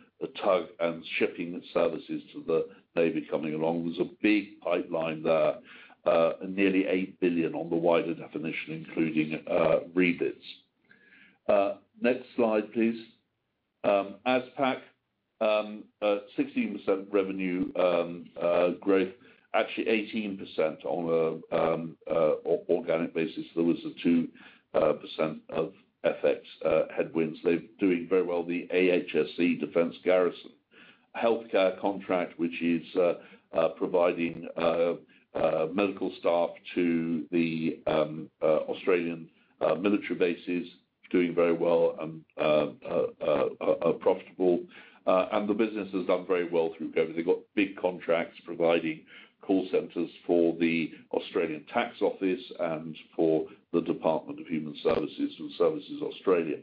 tug and shipping services to the Navy coming along. There's a big pipeline there. Nearly 8 billion on the wider definition, including rebids. Next slide, please. AsPac, 16% revenue growth. Actually 18% on an organic basis. There was a 2% of FX headwinds. They're doing very well. The AHSC defense garrison healthcare contract, which is providing medical staff to the Australian military bases, doing very well and are profitable. The business has done very well through COVID. They got big contracts providing call centers for the Australian tax office and for the Department of Human Services and Services Australia.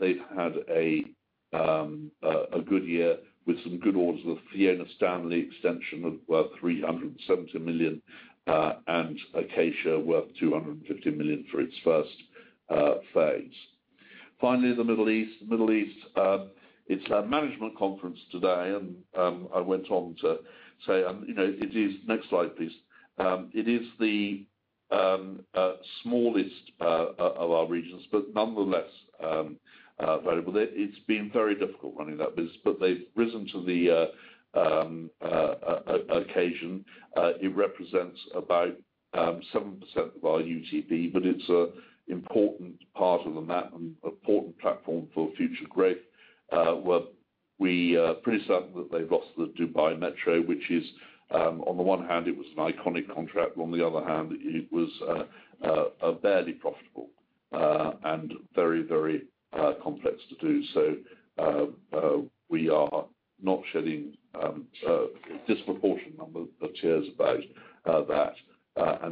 They've had a good year with some good orders, with the Fiona Stanley extension of worth 370 million, and Acacia worth 250 million for its first phase. Finally, the Middle East. Middle East. It's our management conference today, and I went on to say, next slide please. It is the smallest of our regions, but nonetheless valuable. It's been very difficult running that business, but they've risen to the occasion. It represents about 7% of our UTP, but it's a important part of the map and important platform for future growth. We are pretty certain that they've lost the Dubai Metro, which is, on the one hand, it was an iconic contract, but on the other hand, it was barely profitable and very complex to do so. We are not shedding a disproportionate number of chairs about that.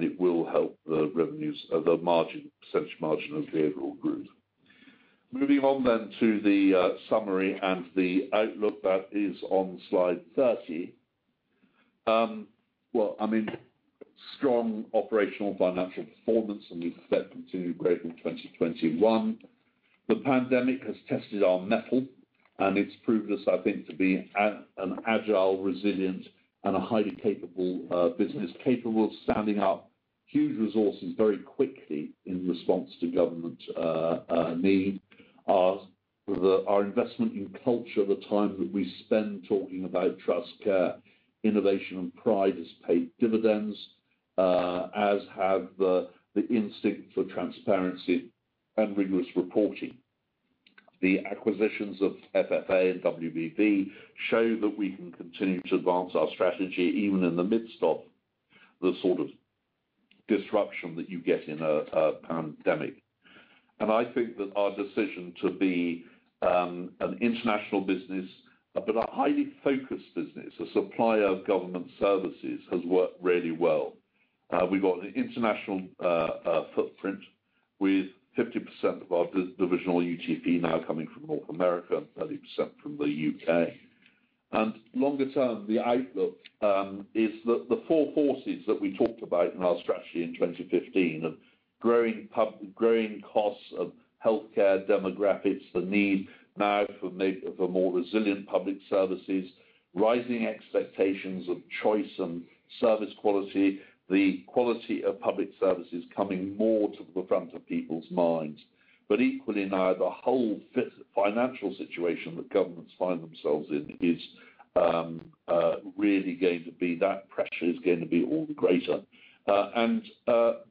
It will help the revenues, the percentage margin of the overall group. Moving on then to the summary and the outlook that is on slide 30. I mean strong operational financial performance, and we expect to continue growth in 2021. The pandemic has tested our mettle, and it's proved us, I think, to be an agile, resilient, and a highly capable business, capable of standing up huge resources very quickly in response to government need. Our investment in culture, the time that we spend talking about trust, care, innovation, and pride has paid dividends, as have the instinct for transparency and rigorous reporting. The acquisitions of FFA and WBB show that we can continue to advance our strategy even in the midst of the sort of disruption that you get in a pandemic. I think that our decision to be an international business, but a highly focused business, a supplier of government services, has worked really well. We've got an international footprint with 50% of our divisional UTP now coming from North America, 30% from the U.K. Longer term, the outlook is that the four forces that we talked about in our strategy in 2015 of growing costs of healthcare demographics, the need now for more resilient public services, rising expectations of choice and service quality, the quality of public services coming more to the front of people's minds. Equally now, the whole financial situation that governments find themselves in is really going to be that pressure is going to be all the greater.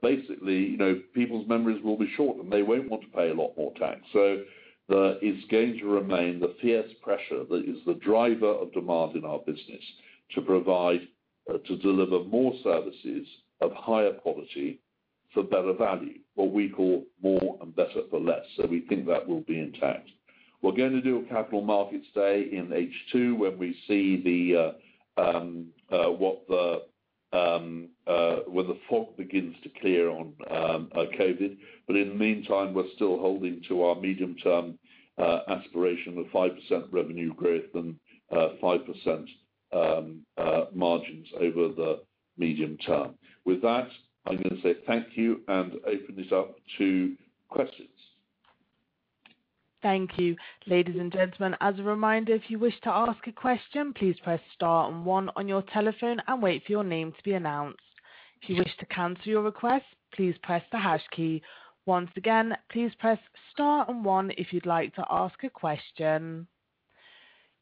Basically, people's memories will be short, and they won't want to pay a lot more tax. It's going to remain the PS pressure that is the driver of demand in our business to deliver more services of higher quality for better value, what we call more and better for less. We think that will be intact. We're going to do a capital markets day in H2 when the fog begins to clear on COVID. In the meantime, we're still holding to our medium-term aspiration of 5% revenue growth and 5% margins over the medium term. With that, I'm going to say thank you and open this up to questions. Thank you. Ladies and gentlemen, as a reminder if you wish to ask a question, please press star and one on your telephone, and wait for your name to be announced. If you wish to cancel your request, please press the hash key. Once again please press star and one if you'd like to ask a question.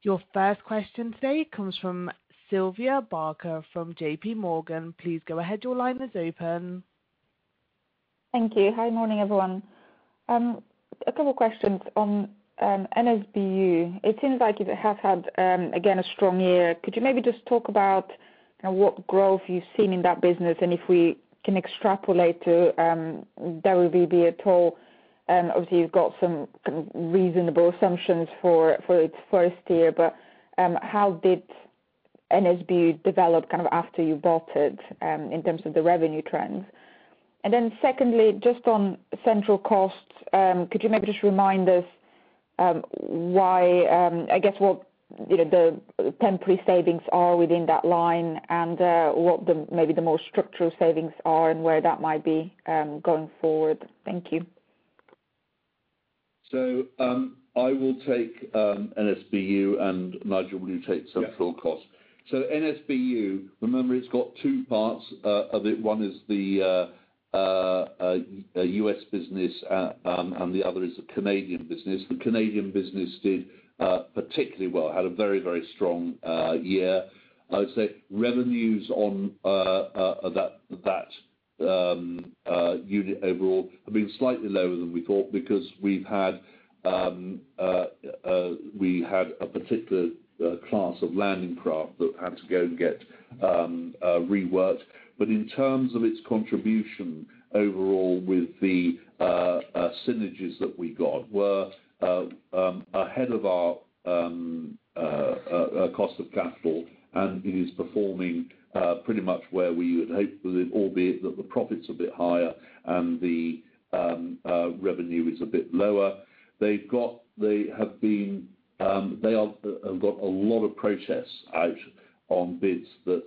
Your first question today comes from Sylvia Barker from JPMorgan. Please go ahead. Your line is open. Thank you. Hi, morning everyone. A couple questions on NSBU. It seems like it has had, again, a strong year. Could you maybe just talk about what growth you've seen in that business, and if we can extrapolate to WBB at all? Obviously, you've got some reasonable assumptions for its first year, but how did NSBU develop after you bought it in terms of the revenue trends? Secondly, just on central costs, could you maybe just remind us why, I guess what the temporary savings are within that line and what maybe the more structural savings are and where that might be going forward? Thank you. I will take NSBU, and Nigel, will you take central costs? Yes. NSBU, remember, it's got two parts of it. One is the U.S. business, and the other is the Canadian business. The Canadian business did particularly well. It had a very strong year. I would say revenues on that unit overall have been slightly lower than we thought because we had a particular class of landing craft that had to go and get reworked. In terms of its contribution overall with the synergies that we got were ahead of our cost of capital, and it is performing pretty much where we would hope, albeit that the profit's a bit higher, and the revenue is a bit lower. They have got a lot of protests out on bids that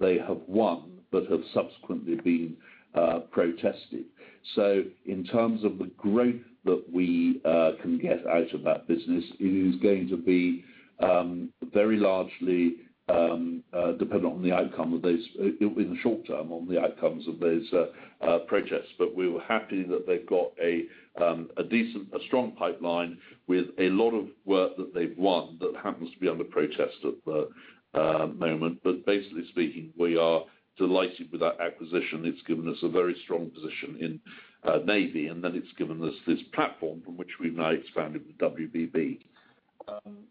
they have won, but have subsequently been protested. In terms of the growth that we can get out of that business, it is going to be very largely dependent, in the short term, on the outcomes of those protests. We were happy that they've got a strong pipeline with a lot of work that they've won that happens to be under protest at the moment. Basically speaking, we are delighted with that acquisition. It's given us a very strong position in Navy, and then it's given us this platform from which we've now expanded with WBB.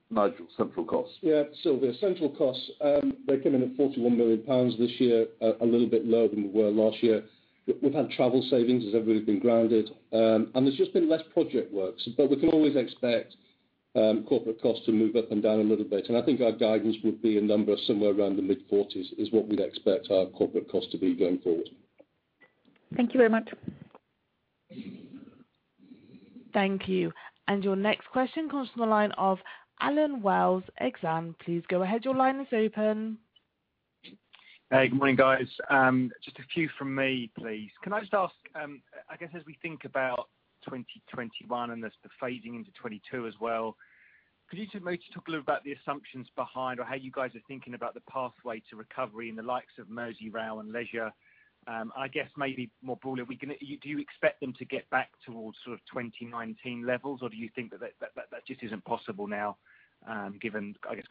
Nigel, central costs? Yeah. Sylvia, central costs, they came in at 41 million pounds this year, a little bit lower than we were last year. We've had travel savings as everybody's been grounded. There's just been less project work. We can always expect corporate costs to move up and down a little bit, and I think our guidance would be a number somewhere around the mid-40s, is what we'd expect our corporate cost to be going forward. Thank you very much. Thank you. Your next question comes from the line of Allen Wells, Exane. Please go ahead. Your line is open. Hey, good morning, guys. Just a few from me, please. Can I just ask, I guess as we think about 2021, and there's the phasing into 2022 as well, could you maybe talk a little about the assumptions behind, or how you guys are thinking about the pathway to recovery in the likes of Merseyrail and leisure? I guess maybe more broadly, do you expect them to get back towards sort of 2019 levels, or do you think that just isn't possible now given, I guess,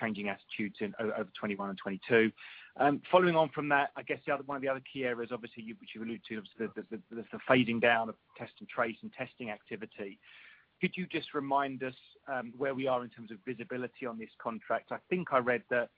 changing attitudes over 2021 and 2022? Following on from that, I guess one of the other key areas, obviously, which you alluded to, the fading down of Test and Trace and testing activity. Could you just remind us where we are in terms of visibility on this contract? I think I read that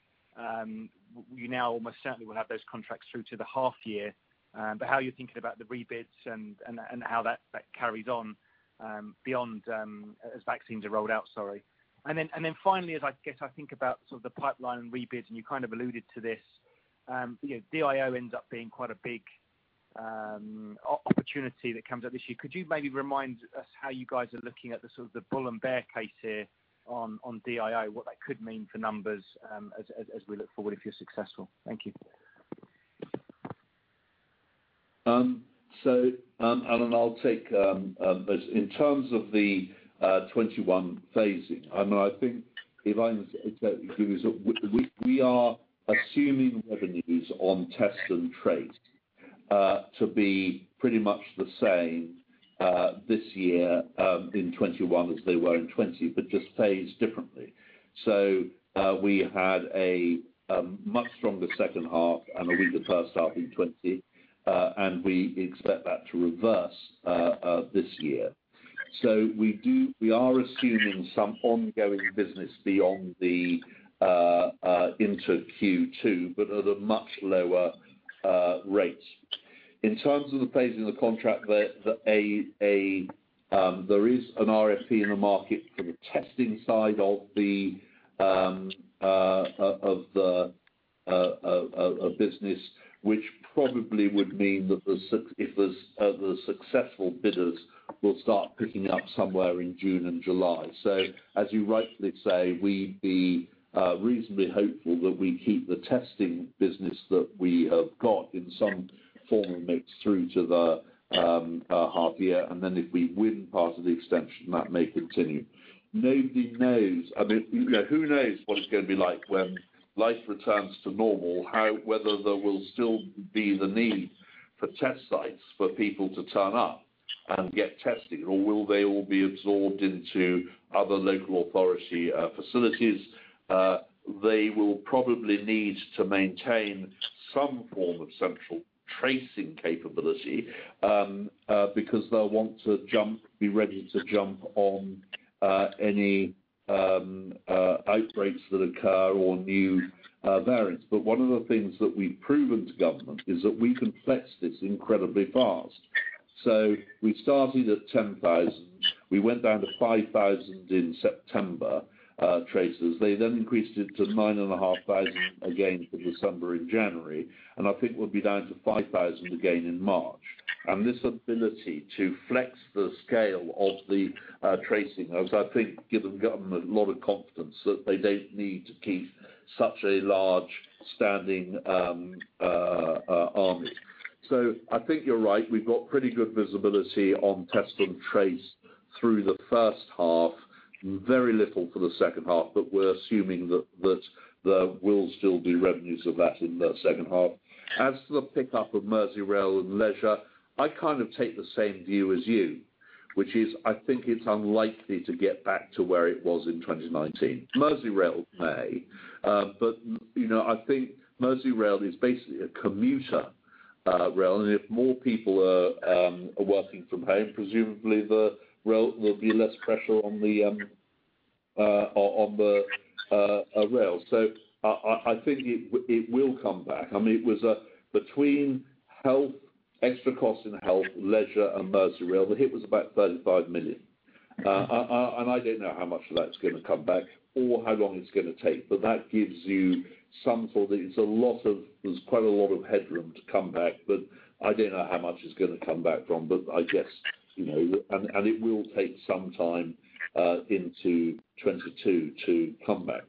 you now almost certainly will have those contracts through to the half year. How are you thinking about the rebids and how that carries on as vaccines are rolled out? Finally, as I guess I think about sort of the pipeline and rebids, and you kind of alluded to this, DIO ends up being quite a big opportunity that comes up this year. Could you maybe remind us how you guys are looking at the sort of the bull and bear case here on DIO, what that could mean for numbers as we look forward, if you're successful? Thank you. Allen, I'll take this. In terms of the 2021 phasing, we are assuming revenues on Test and Trace to be pretty much the same this year in 2021 as they were in 2020, but just phased differently. We had a much stronger second half and a weaker first half in 2020, and we expect that to reverse this year. We are assuming some ongoing business into Q2, but at a much lower rate. In terms of the phasing of the contract, there is an RFP in the market for the testing side of the business, which probably would mean that the successful bidders will start picking up somewhere in June and July. As you rightly say, we'd be reasonably hopeful that we keep the testing business that we have got in some form or makes it through to the half year, and then if we win part of the extension, that may continue. Who knows what it's going to be like when life returns to normal, whether there will still be the need for test sites for people to turn up and get tested, or will they all be absorbed into other local authority facilities? They will probably need to maintain some form of central tracing capability, because they'll want to be ready to jump on any outbreaks that occur or new variants. One of the things that we've proven to government is that we can flex this incredibly fast. We started at 10,000. We went down to 5,000 in September, tracers. They then increased it to 9,500 again for December and January, and I think we'll be down to 5,000 again in March. This ability to flex the scale of the tracing has, I think, given government a lot of confidence that they don't need to keep such a large standing army. I think you're right. We've got pretty good visibility on Test and Trace through the first half. Very little for the second half, but we're assuming that there will still be revenues of that in the second half. As for the pickup of Merseyrail and leisure, I kind of take the same view as you, which is I think it's unlikely to get back to where it was in 2019. Merseyrail may. I think Merseyrail is basically a commuter rail, and if more people are working from home, presumably there will be less pressure on the rail. I think it will come back. Between extra costs in health, leisure, and Merseyrail, the hit was about 35 million. I don't know how much of that's going to come back or how long it's going to take, but that gives you quite a lot of headroom to come back, but I don't know how much is going to come back from. It will take some time into 2022 to come back.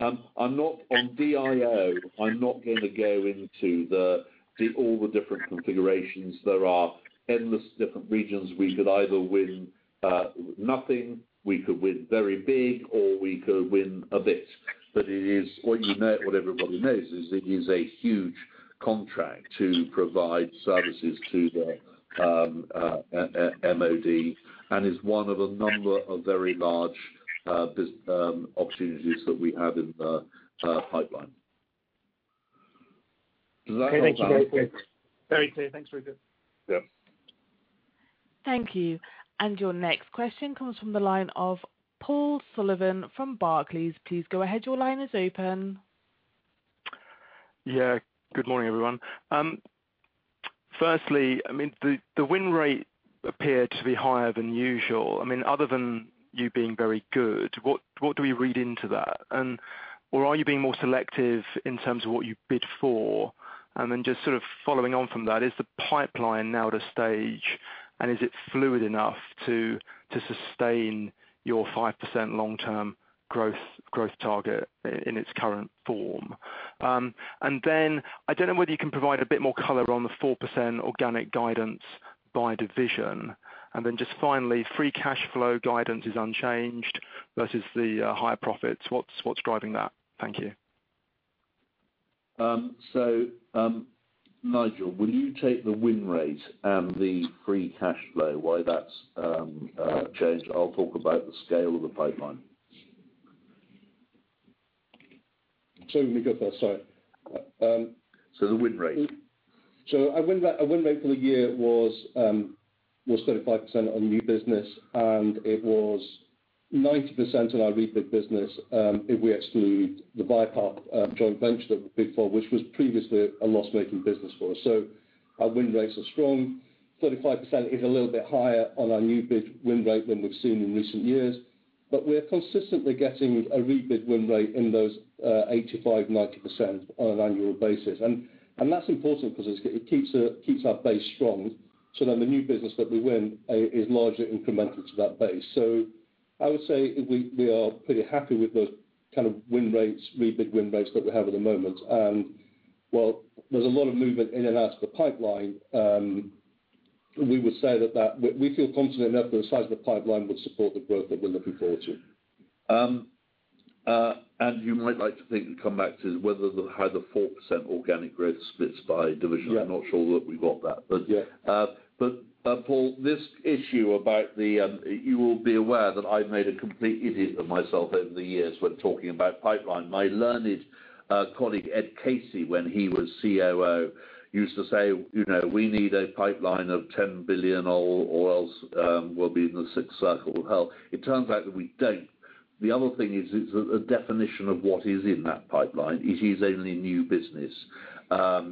On DIO, I'm not going to go into all the different configurations. There are endless different regions. We could either win nothing, we could win very big, or we could win a bit. What everybody knows is it is a huge contract to provide services to the MOD and is one of a number of very large opportunities that we have in the pipeline. Does that help? Okay, thank you. Very clear. Thanks, Rupert. Yeah. Thank you. Your next question comes from the line of Paul Sullivan from Barclays. Please go ahead. Your line is open. Good morning, everyone. Firstly, the win rate appeared to be higher than usual. Other than you being very good, what do we read into that? Are you being more selective in terms of what you bid for? Just following on from that, is the pipeline now at a stage, and is it fluid enough to sustain your 5% long-term growth target in its current form? I don't know whether you can provide a bit more color on the 4% organic guidance by division. Just finally, free cash flow guidance is unchanged versus the higher profits. What's driving that? Thank you. Nigel, will you take the win rate and the free cash flow, why that's changed? I'll talk about the scale of the pipeline. Sorry, let me go first. The win rate. Our win rate for the year was 35% on new business, and it was 90% on our rebid business if we exclude the Viapath joint venture that we bid for, which was previously a loss-making business for us. Our win rates are strong. 35% is a little bit higher on our new bid win rate than we've seen in recent years, but we are consistently getting a rebid win rate in those 85%-90% on an annual basis. That's important because it keeps our base strong, the new business that we win is largely incremental to that base. I would say we are pretty happy with the kind of win rates, rebid win rates that we have at the moment. While there's a lot of movement in and out of the pipeline, we feel confident enough that the size of the pipeline will support the growth that we're looking forward to. You might like to think and come back to how the 4% organic growth splits by division. Yeah. I'm not sure that we've got that. Yeah. Paul, this issue about You will be aware that I've made a complete idiot of myself over the years when talking about pipeline. My learned colleague, Ed Casey, when he was COO, used to say, "We need a pipeline of 10 billion or else we'll be in the sixth circle of hell." It turns out that we don't. The other thing is the definition of what is in that pipeline. It is only new business. As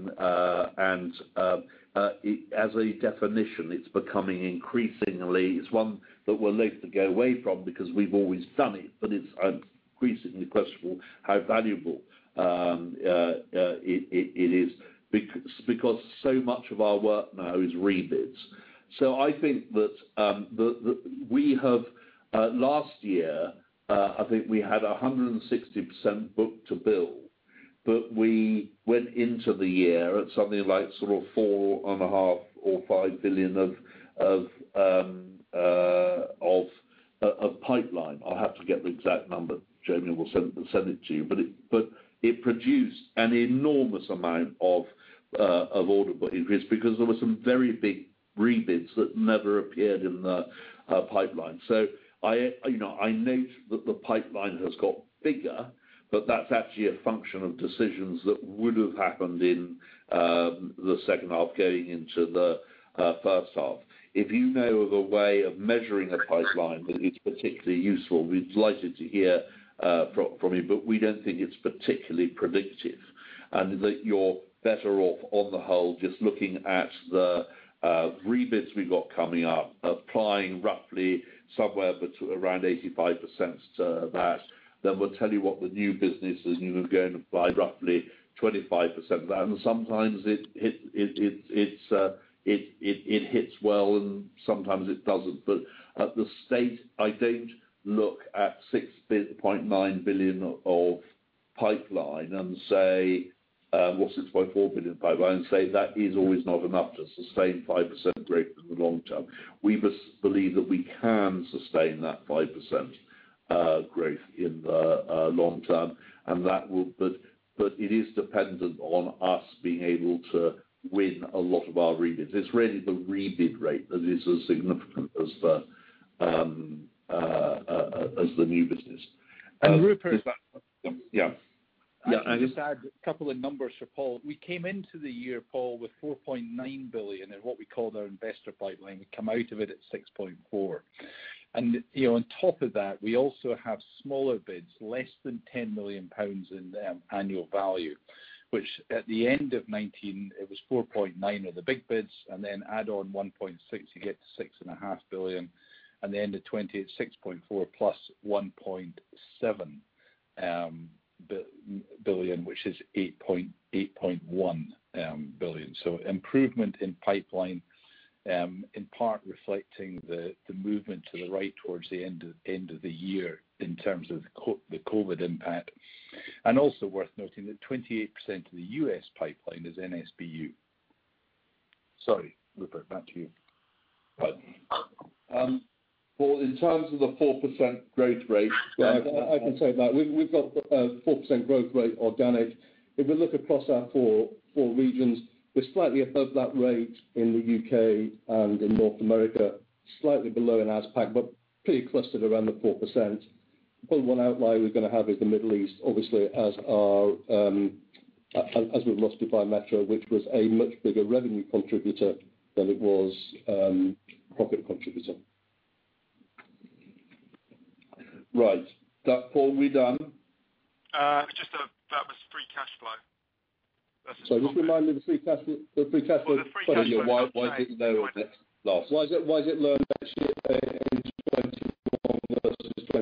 a definition, it's becoming increasingly, it's one that we're loth to go away from because we've always done it, but it's increasingly questionable how valuable it is because so much of our work now is rebids. I think that we have, last year, I think we had 160% book to bill, but we went into the year at something like 4.5 billion or 5 billion of pipeline. I'll have to get the exact number. Jamie will send it to you. It produced an enormous amount of order book increase because there were some very big rebids that never appeared in the pipeline. I note that the pipeline has got bigger, but that's actually a function of decisions that would have happened in the second half going into the first half. If you know of a way of measuring a pipeline that is particularly useful, we'd be delighted to hear from you. We don't think it's particularly predictive, and that you're better off on the whole just looking at the rebids we've got coming up, applying roughly somewhere around 85% to that, then we'll tell you what the new business is, and you go by roughly 25% of that. Sometimes it hits well, and sometimes it doesn't. At this stage, I don't look at 6.9 billion of pipeline and say, well 6.4 billion pipeline, and say that is always not enough to sustain 5% growth in the long term. We believe that we can sustain that 5% growth in the long term, but it is dependent on us being able to win a lot of our rebids. It's really the rebid rate that is as significant as the new business. And Rupert- Yeah. I'll just add a couple of numbers for Paul. We came into the year, Paul, with 4.9 billion in what we call our investor pipeline. We come out of it at 6.4 billion. On top of that, we also have smaller bids, less than 10 million pounds in annual value, which at the end of 2019, it was 4.9 billion of the big bids, then add on 1.6 billion, you get to 6.5 billion. At the end of 2020, it's 6.4 billion plus 1.7 billion, which is 8.1 billion. Improvement in pipeline, in part reflecting the movement to the right towards the end of the year in terms of the COVID impact. Also worth noting that 28% of the U.S. pipeline is NSBU. Sorry, Rupert, back to you. Pardon. Paul, in terms of the 4% growth rate. Yeah, I can say that we've got a 4% growth rate organic. If we look across our four regions, we're slightly above that rate in the U.K. and in North America, slightly below in AsPac, but pretty clustered around the 4%. Probably one outlier we're going to have is the Middle East, obviously, as we've lost Dubai Metro, which was a much bigger revenue contributor than it was profit contributor. Right. That, Paul, we done? Just about this free cash flow. That's just on the- Sorry, just remind me, the free cash flow. Oh, the free cash flow. Sorry, why is it low on net last? Why is it low actually at end of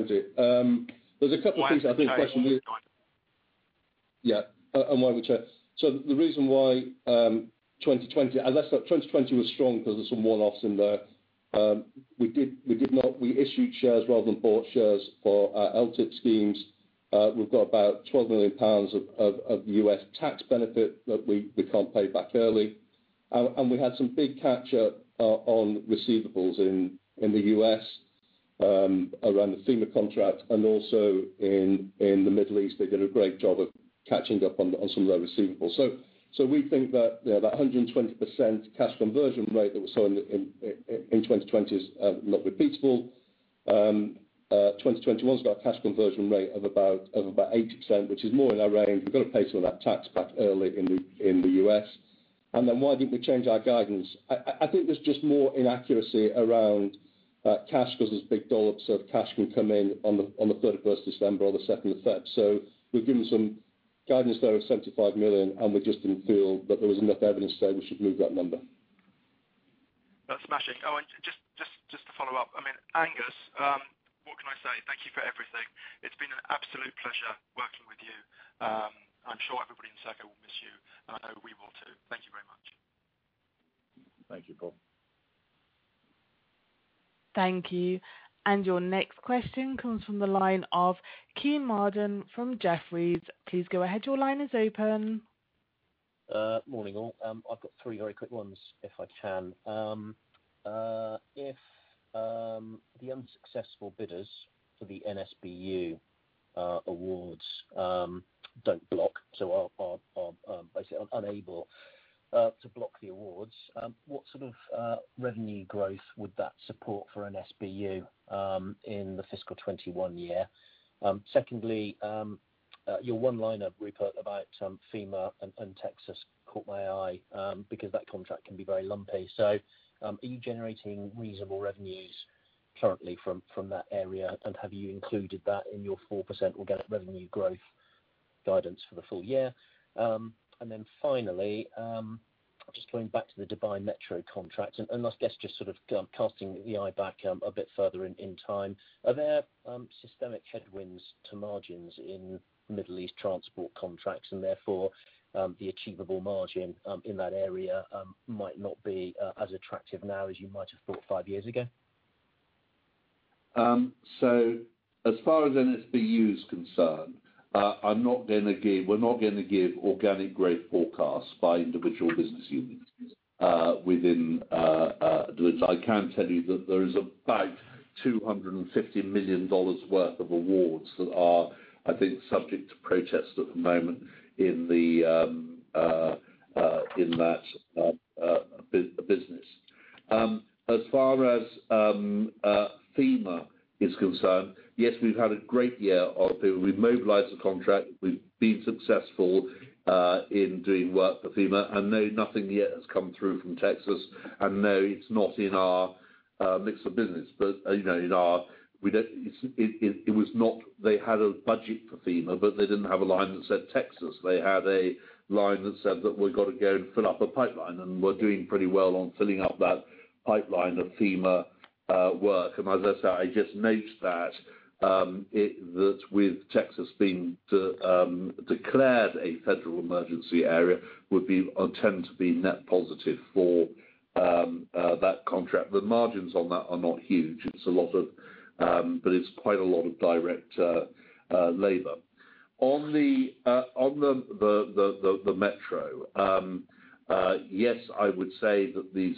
2020? There's a couple things I think actually. Why don't you tell me why? Yeah. Why we changed. The reason why 2020, as I said, 2020 was strong because there's some one-offs in there. We issued shares rather than bought shares for our LTIP schemes. We've got about 12 million pounds of U.S. tax benefit that we can't pay back early, and we had some big catch up on receivables in the U.S. around the FEMA contract, and also in the Middle East, they did a great job of catching up on some of their receivables. We think that that 120% cash conversion rate that we saw in 2020 is not repeatable. 2021's got a cash conversion rate of about 80%, which is more in our range. We've got to pay some of that tax back early in the U.S. Why didn't we change our guidance? I think there's just more inaccuracy around cash, because there's big dollops of cash can come in on the 31st of December or the 2nd of February. We've given some guidance there of 75 million, and we just didn't feel that there was enough evidence to say we should move that number. That's smashing. Oh, just to follow up, Angus, what can I say? Thank you for everything. It's been an absolute pleasure working with you. I'm sure everybody in Serco will miss you, and I know we will, too. Thank you very much. Thank you, Paul. Thank you. Your next question comes from the line of Kean Marden from Jefferies. Please go ahead. Your line is open. Morning, all. I've got three very quick ones, if I can. If the unsuccessful bidders for the NSBU awards don't block, so are basically unable to block the awards, what sort of revenue growth would that support for NSBU in the fiscal 2021 year? Secondly, your one liner, Rupert, about FEMA and Texas caught my eye because that contract can be very lumpy. Are you generating reasonable revenues currently from that area, and have you included that in your 4% organic revenue growth guidance for the full year? Finally, just going back to the Dubai Metro contract, and I guess just sort of casting the eye back a bit further in time, are there systemic headwinds to margins in Middle East transport contracts and therefore the achievable margin in that area might not be as attractive now as you might have thought five years ago? As far as NSBU is concerned, we're not going to give organic growth forecasts by individual business units within Adelis. I can tell you that there is about GBP 250 million worth of awards that are, I think, subject to protest at the moment in that business. As far as FEMA is concerned, yes, we've had a great year of it. We've mobilized the contract. We've been successful in doing work for FEMA, and no, nothing yet has come through from Texas, and no, it's not in our mix of business. They had a budget for FEMA, but they didn't have a line that said Texas. They had a line that said that we've got to go and fill up a pipeline, and we're doing pretty well on filling up that pipeline of FEMA work. As I say, I just note that with Texas being declared a federal emergency area would tend to be net positive for that contract. The margins on that are not huge. It's quite a lot of direct labor. On the Metro, yes, I would say that these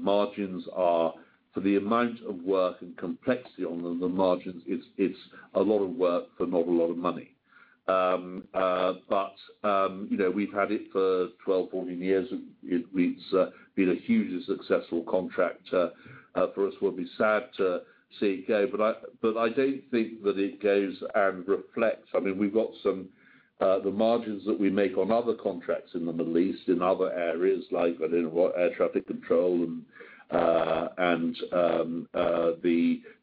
margins are, for the amount of work and complexity on them, the margins, it's a lot of work for not a lot of money. We've had it for 12, 14 years, and it's been a hugely successful contract for us. We'll be sad to see it go, but I don't think that it goes and reflects. We've got the margins that we make on other contracts in the Middle East, in other areas like air traffic control and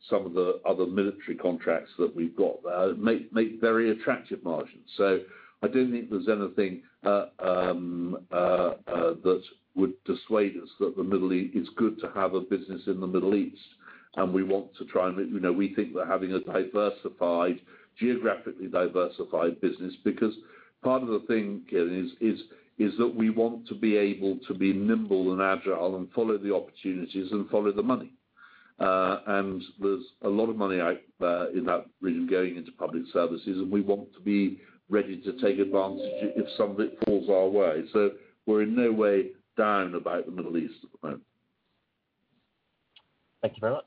some of the other military contracts that we've got there, make very attractive margins. I don't think there's anything that would dissuade us that it's good to have a business in the Middle East. We want to try and we think that having a geographically diversified business, because part of the thing is that we want to be able to be nimble and agile and follow the opportunities and follow the money. There's a lot of money out there in that arena going into public services, and we want to be ready to take advantage if some of it falls our way. We're in no way down about the Middle East at the moment. Thank you very much.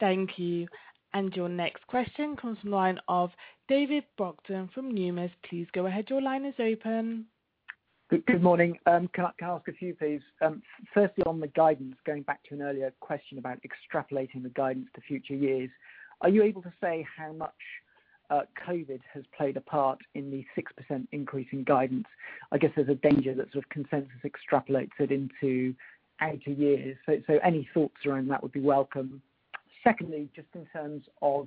Thank you. Your next question comes from the line of David Brockton from Numis. Please go ahead. Your line is open. Good morning. Can I ask a few, please? Firstly, on the guidance, going back to an earlier question about extrapolating the guidance to future years. Are you able to say how much COVID has played a part in the 6% increase in guidance? I guess there's a danger that sort of consensus extrapolates it into outer years. Any thoughts around that would be welcome. Secondly, just in terms of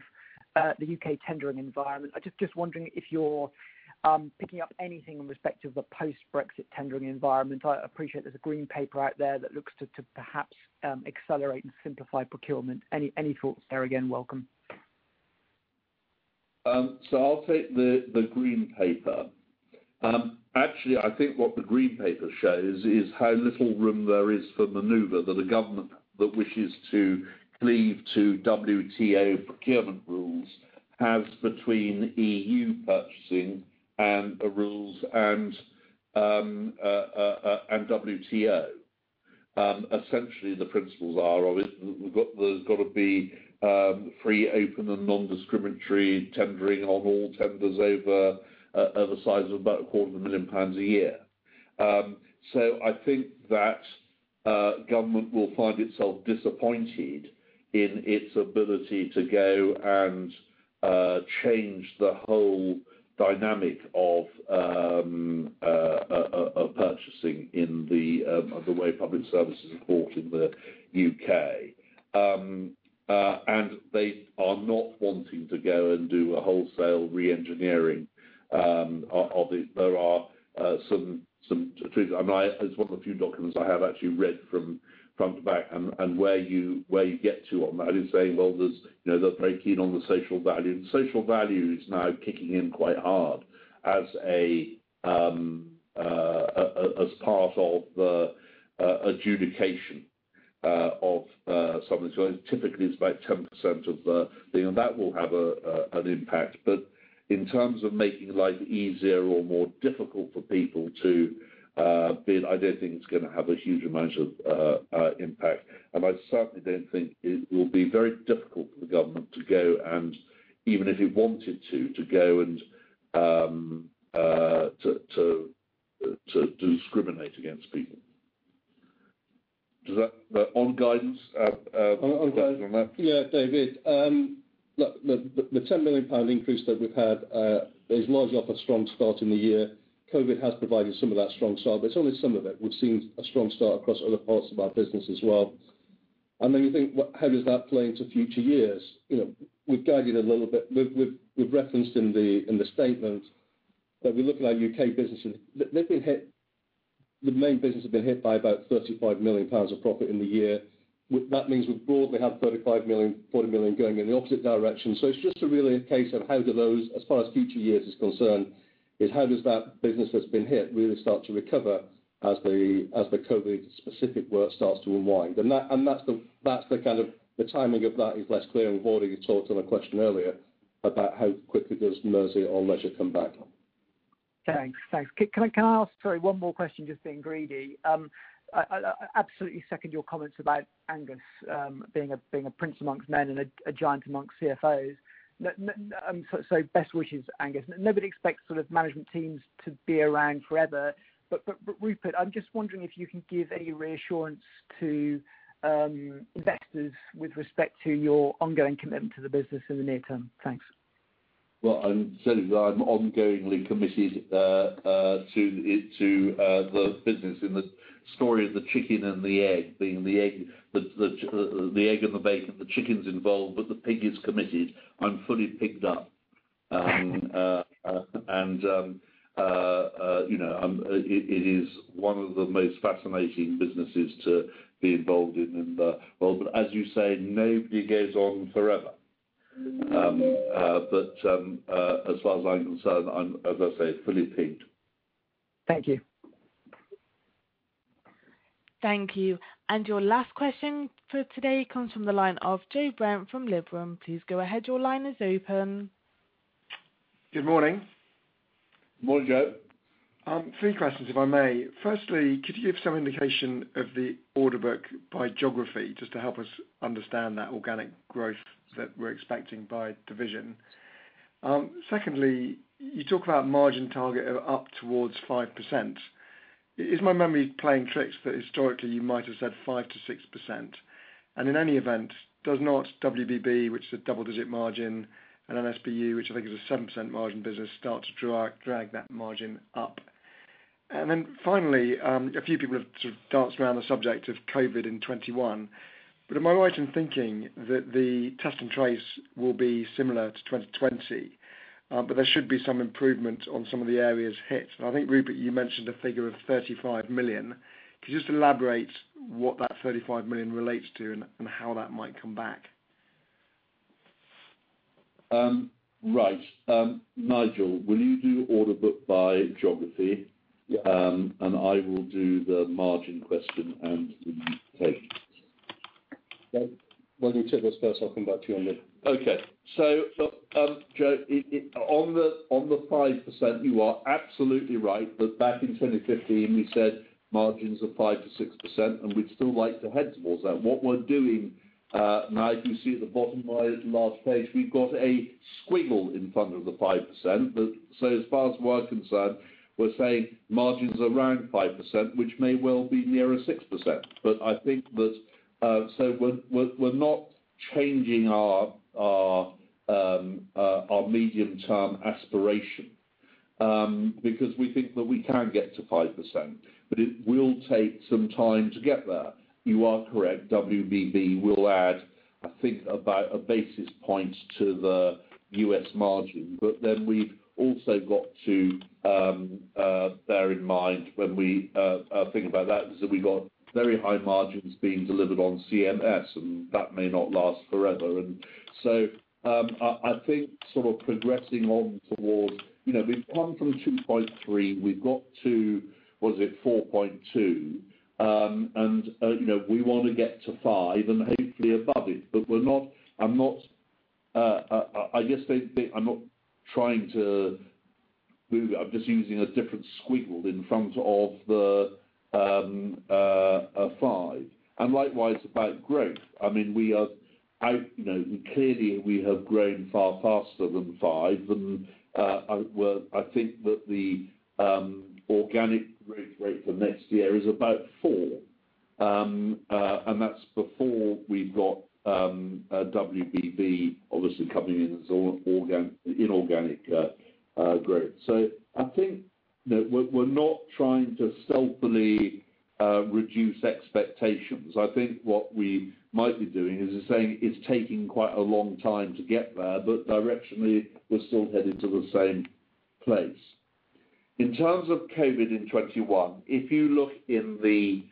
the U.K. tendering environment, I'm just wondering if you're picking up anything in respect of the post-Brexit tendering environment. I appreciate there's a green paper out there that looks to perhaps accelerate and simplify procurement. Any thoughts there are again, welcome. I'll take the green paper. Actually, I think what the green paper shows is how little room there is for maneuver that a government that wishes to cleave to WTO procurement rules has between EU purchasing and the rules and WTO. Essentially, the principles are there's got to be free, open, and non-discriminatory tendering on all tenders over a size of about a quarter of a million pounds a year. I think that government will find itself disappointed in its ability to go and change the whole dynamic of purchasing in the way public services are bought in the U.K. They are not wanting to go and do a wholesale re-engineering of it. It's one of the few documents I have actually read from back, and where you get to on that is saying, well, they're very keen on the social value. Social value is now kicking in quite hard as part of the adjudication of something. Typically it's about 10% of the thing, and that will have an impact. In terms of making life easier or more difficult for people to bid, I don't think it's going to have a huge amount of impact. I certainly do think it will be very difficult for the government to go, and even if it wanted to go and to discriminate against people. On guidance on that. Yeah, David. Look, the 10 million pound increase that we've had is largely off a strong start in the year. COVID has provided some of that strong start, but it's only some of it. We've seen a strong start across other parts of our business as well. Then you think, how does that play into future years? We've guided a little bit. We've referenced in the statement that we look at our U.K. business, and the main business has been hit by about 35 million pounds of profit in the year. That means we broadly have 35 million, 40 million going in the opposite direction. It's just really a case of how do those, as far as future years is concerned, is how does that business that's been hit really start to recover as the COVID-specific work starts to unwind? The timing of that is less clear, and we've already talked on a question earlier about how quickly does Merseyrail come back. Thanks. Can I ask, sorry, one more question, just being greedy. I absolutely second your comments about Angus being a prince amongst men and a giant amongst CFOs. Best wishes, Angus. Nobody expects sort of management teams to be around forever. Rupert, I'm just wondering if you can give any reassurance to investors with respect to your ongoing commitment to the business in the near term. Thanks. Well, I can tell you that I'm ongoingly committed to the business. In the story of the chicken and the egg, being the egg and the bacon, the chicken's involved, but the pig is committed. I'm fully pigged up. It is one of the most fascinating businesses to be involved in. As you say, nobody goes on forever. As far as I'm concerned, as I say, fully pigged. Thank you. Thank you. Your last question for today comes from the line of Joe Brent from Liberum. Please go ahead. Your line is open. Good morning. Morning, Joe. Three questions, if I may. Could you give some indication of the order book by geography just to help us understand that organic growth that we're expecting by division? You talk about margin target of up towards 5%. Is my memory playing tricks that historically you might have said 5%-6%? In any event, does not WBB, which is a double-digit margin, and NSBU, which I think is a 7% margin business, start to drag that margin up? Finally, a few people have sort of danced around the subject of COVID in 2021. Am I right in thinking that the Test and Trace will be similar to 2020, but there should be some improvement on some of the areas hit? I think, Rupert, you mentioned a figure of 35 million. Could you just elaborate what that 35 million relates to and how that might come back? Right. Nigel, will you do order book by geography? Yeah. I will do the margin question and the COVID. Why don't you take this first, I'll come back to you on that. Okay. Joe, on the 5%, you are absolutely right, that back in 2015 we said margins of 5%-6%, and we'd still like to head towards that. What we're doing now, if you see at the bottom of the last page, we've got a squiggle in front of the 5%. As far as we're concerned, we're saying margins around 5%, which may well be nearer 6%. We're not changing our medium term aspiration, because we think that we can get to 5%, but it will take some time to get there. You are correct, WBB will add, I think about 1 basis point to the U.S. margin. We've also got to bear in mind when we think about that, is that we've got very high margins being delivered on CMS, and that may not last forever. I think sort of progressing on towards We've gone from 2.3%, we've got to, was it 4.2%? We want to get to five and hopefully above it. I guess I'm not trying to move, I'm just using a different squiggle in front of the 5%. Likewise about growth. Clearly we have grown far faster than 5% and I think that the organic growth rate for next year is about 4%, and that's before we've got WBB obviously coming in as inorganic growth. I think that we're not trying to stealthily reduce expectations. I think what we might be doing is just saying it's taking quite a long time to get there, but directionally we're still headed to the same place. In terms of COVID in 2021, if you look in the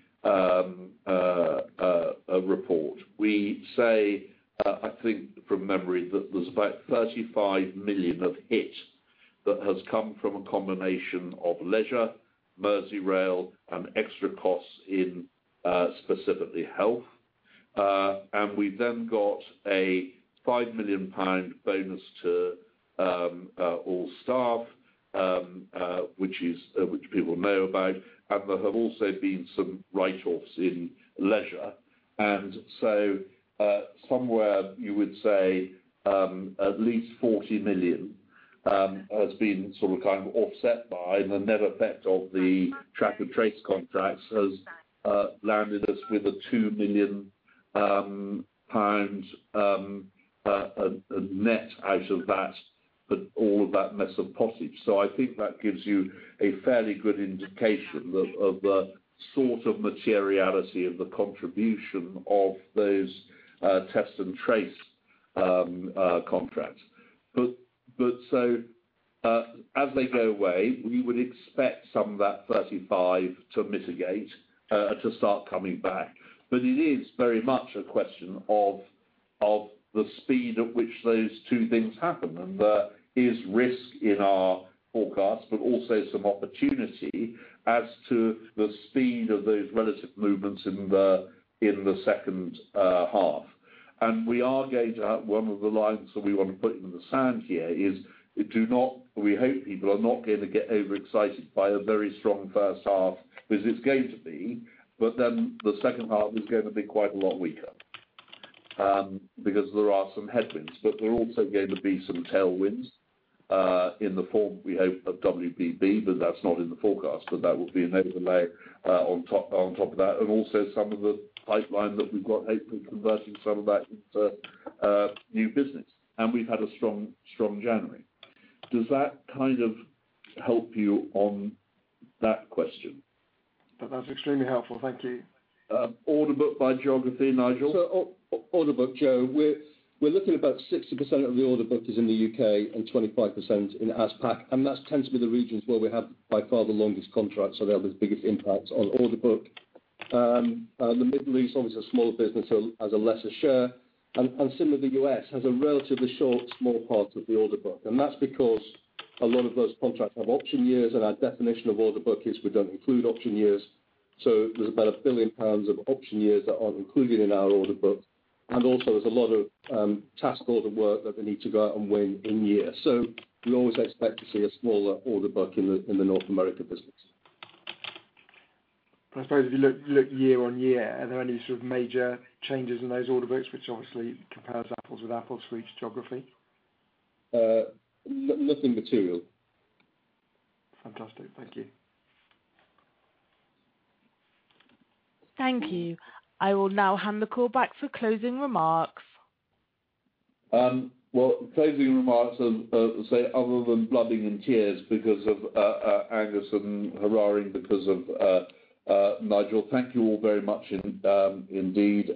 report, we say, I think from memory, that there's about 35 million of hit that has come from a combination of leisure, Merseyrail, and extra costs in specifically health. We've then got a 5 million pound bonus to all staff, which people know about. There have also been some write-offs in leisure. Somewhere you would say, at least 40 million has been sort of kind of offset by the net effect of the Test and Trace contracts has landed us with a 2 million pound net out of that, all of that mess of pottage. I think that gives you a fairly good indication of the sort of materiality of the contribution of those Test and Trace contracts. As they go away, we would expect some of that 35 million to mitigate, to start coming back. It is very much a question of the speed at which those two things happen, and there is risk in our forecast, but also some opportunity as to the speed of those relative movements in the second half. We are gauging that. One of the lines that we want to put in the sand here is, we hope people are not going to get overexcited by a very strong first half, because it's going to be, but then the second half is going to be quite a lot weaker. There are some headwinds, but there are also going to be some tailwinds, in the form we hope of WBB, but that's not in the forecast, but that will be another layer on top of that. Also some of the pipeline that we've got, hopefully converting some of that into new business. We've had a strong January. Does that kind of help you on that question? That's extremely helpful. Thank you. Order book by geography, Nigel? Order book, Joe. We're looking at about 60% of the order book is in the U.K. and 25% in AsPac, and that tends to be the regions where we have by far the longest contracts, so they'll be the biggest impacts on order book. The Middle East, obviously a smaller business, has a lesser share. Similarly, U.S. has a relatively short, small part of the order book. That's because a lot of those contracts have option years and our definition of order book is we don't include option years. There's about a billion pounds of option years that aren't included in our order book, and also there's a lot of task order work that we need to go out and win in year. We always expect to see a smaller order book in the North America business. I suppose if you look year on year, are there any sort of major changes in those order books, which obviously compares apples with apples for each geography? Nothing material. Fantastic. Thank you. Thank you. I will now hand the call back for closing remarks. Well, closing remarks, other than blooding in tears because of Angus and haranguing because of Nigel, thank you all very much indeed.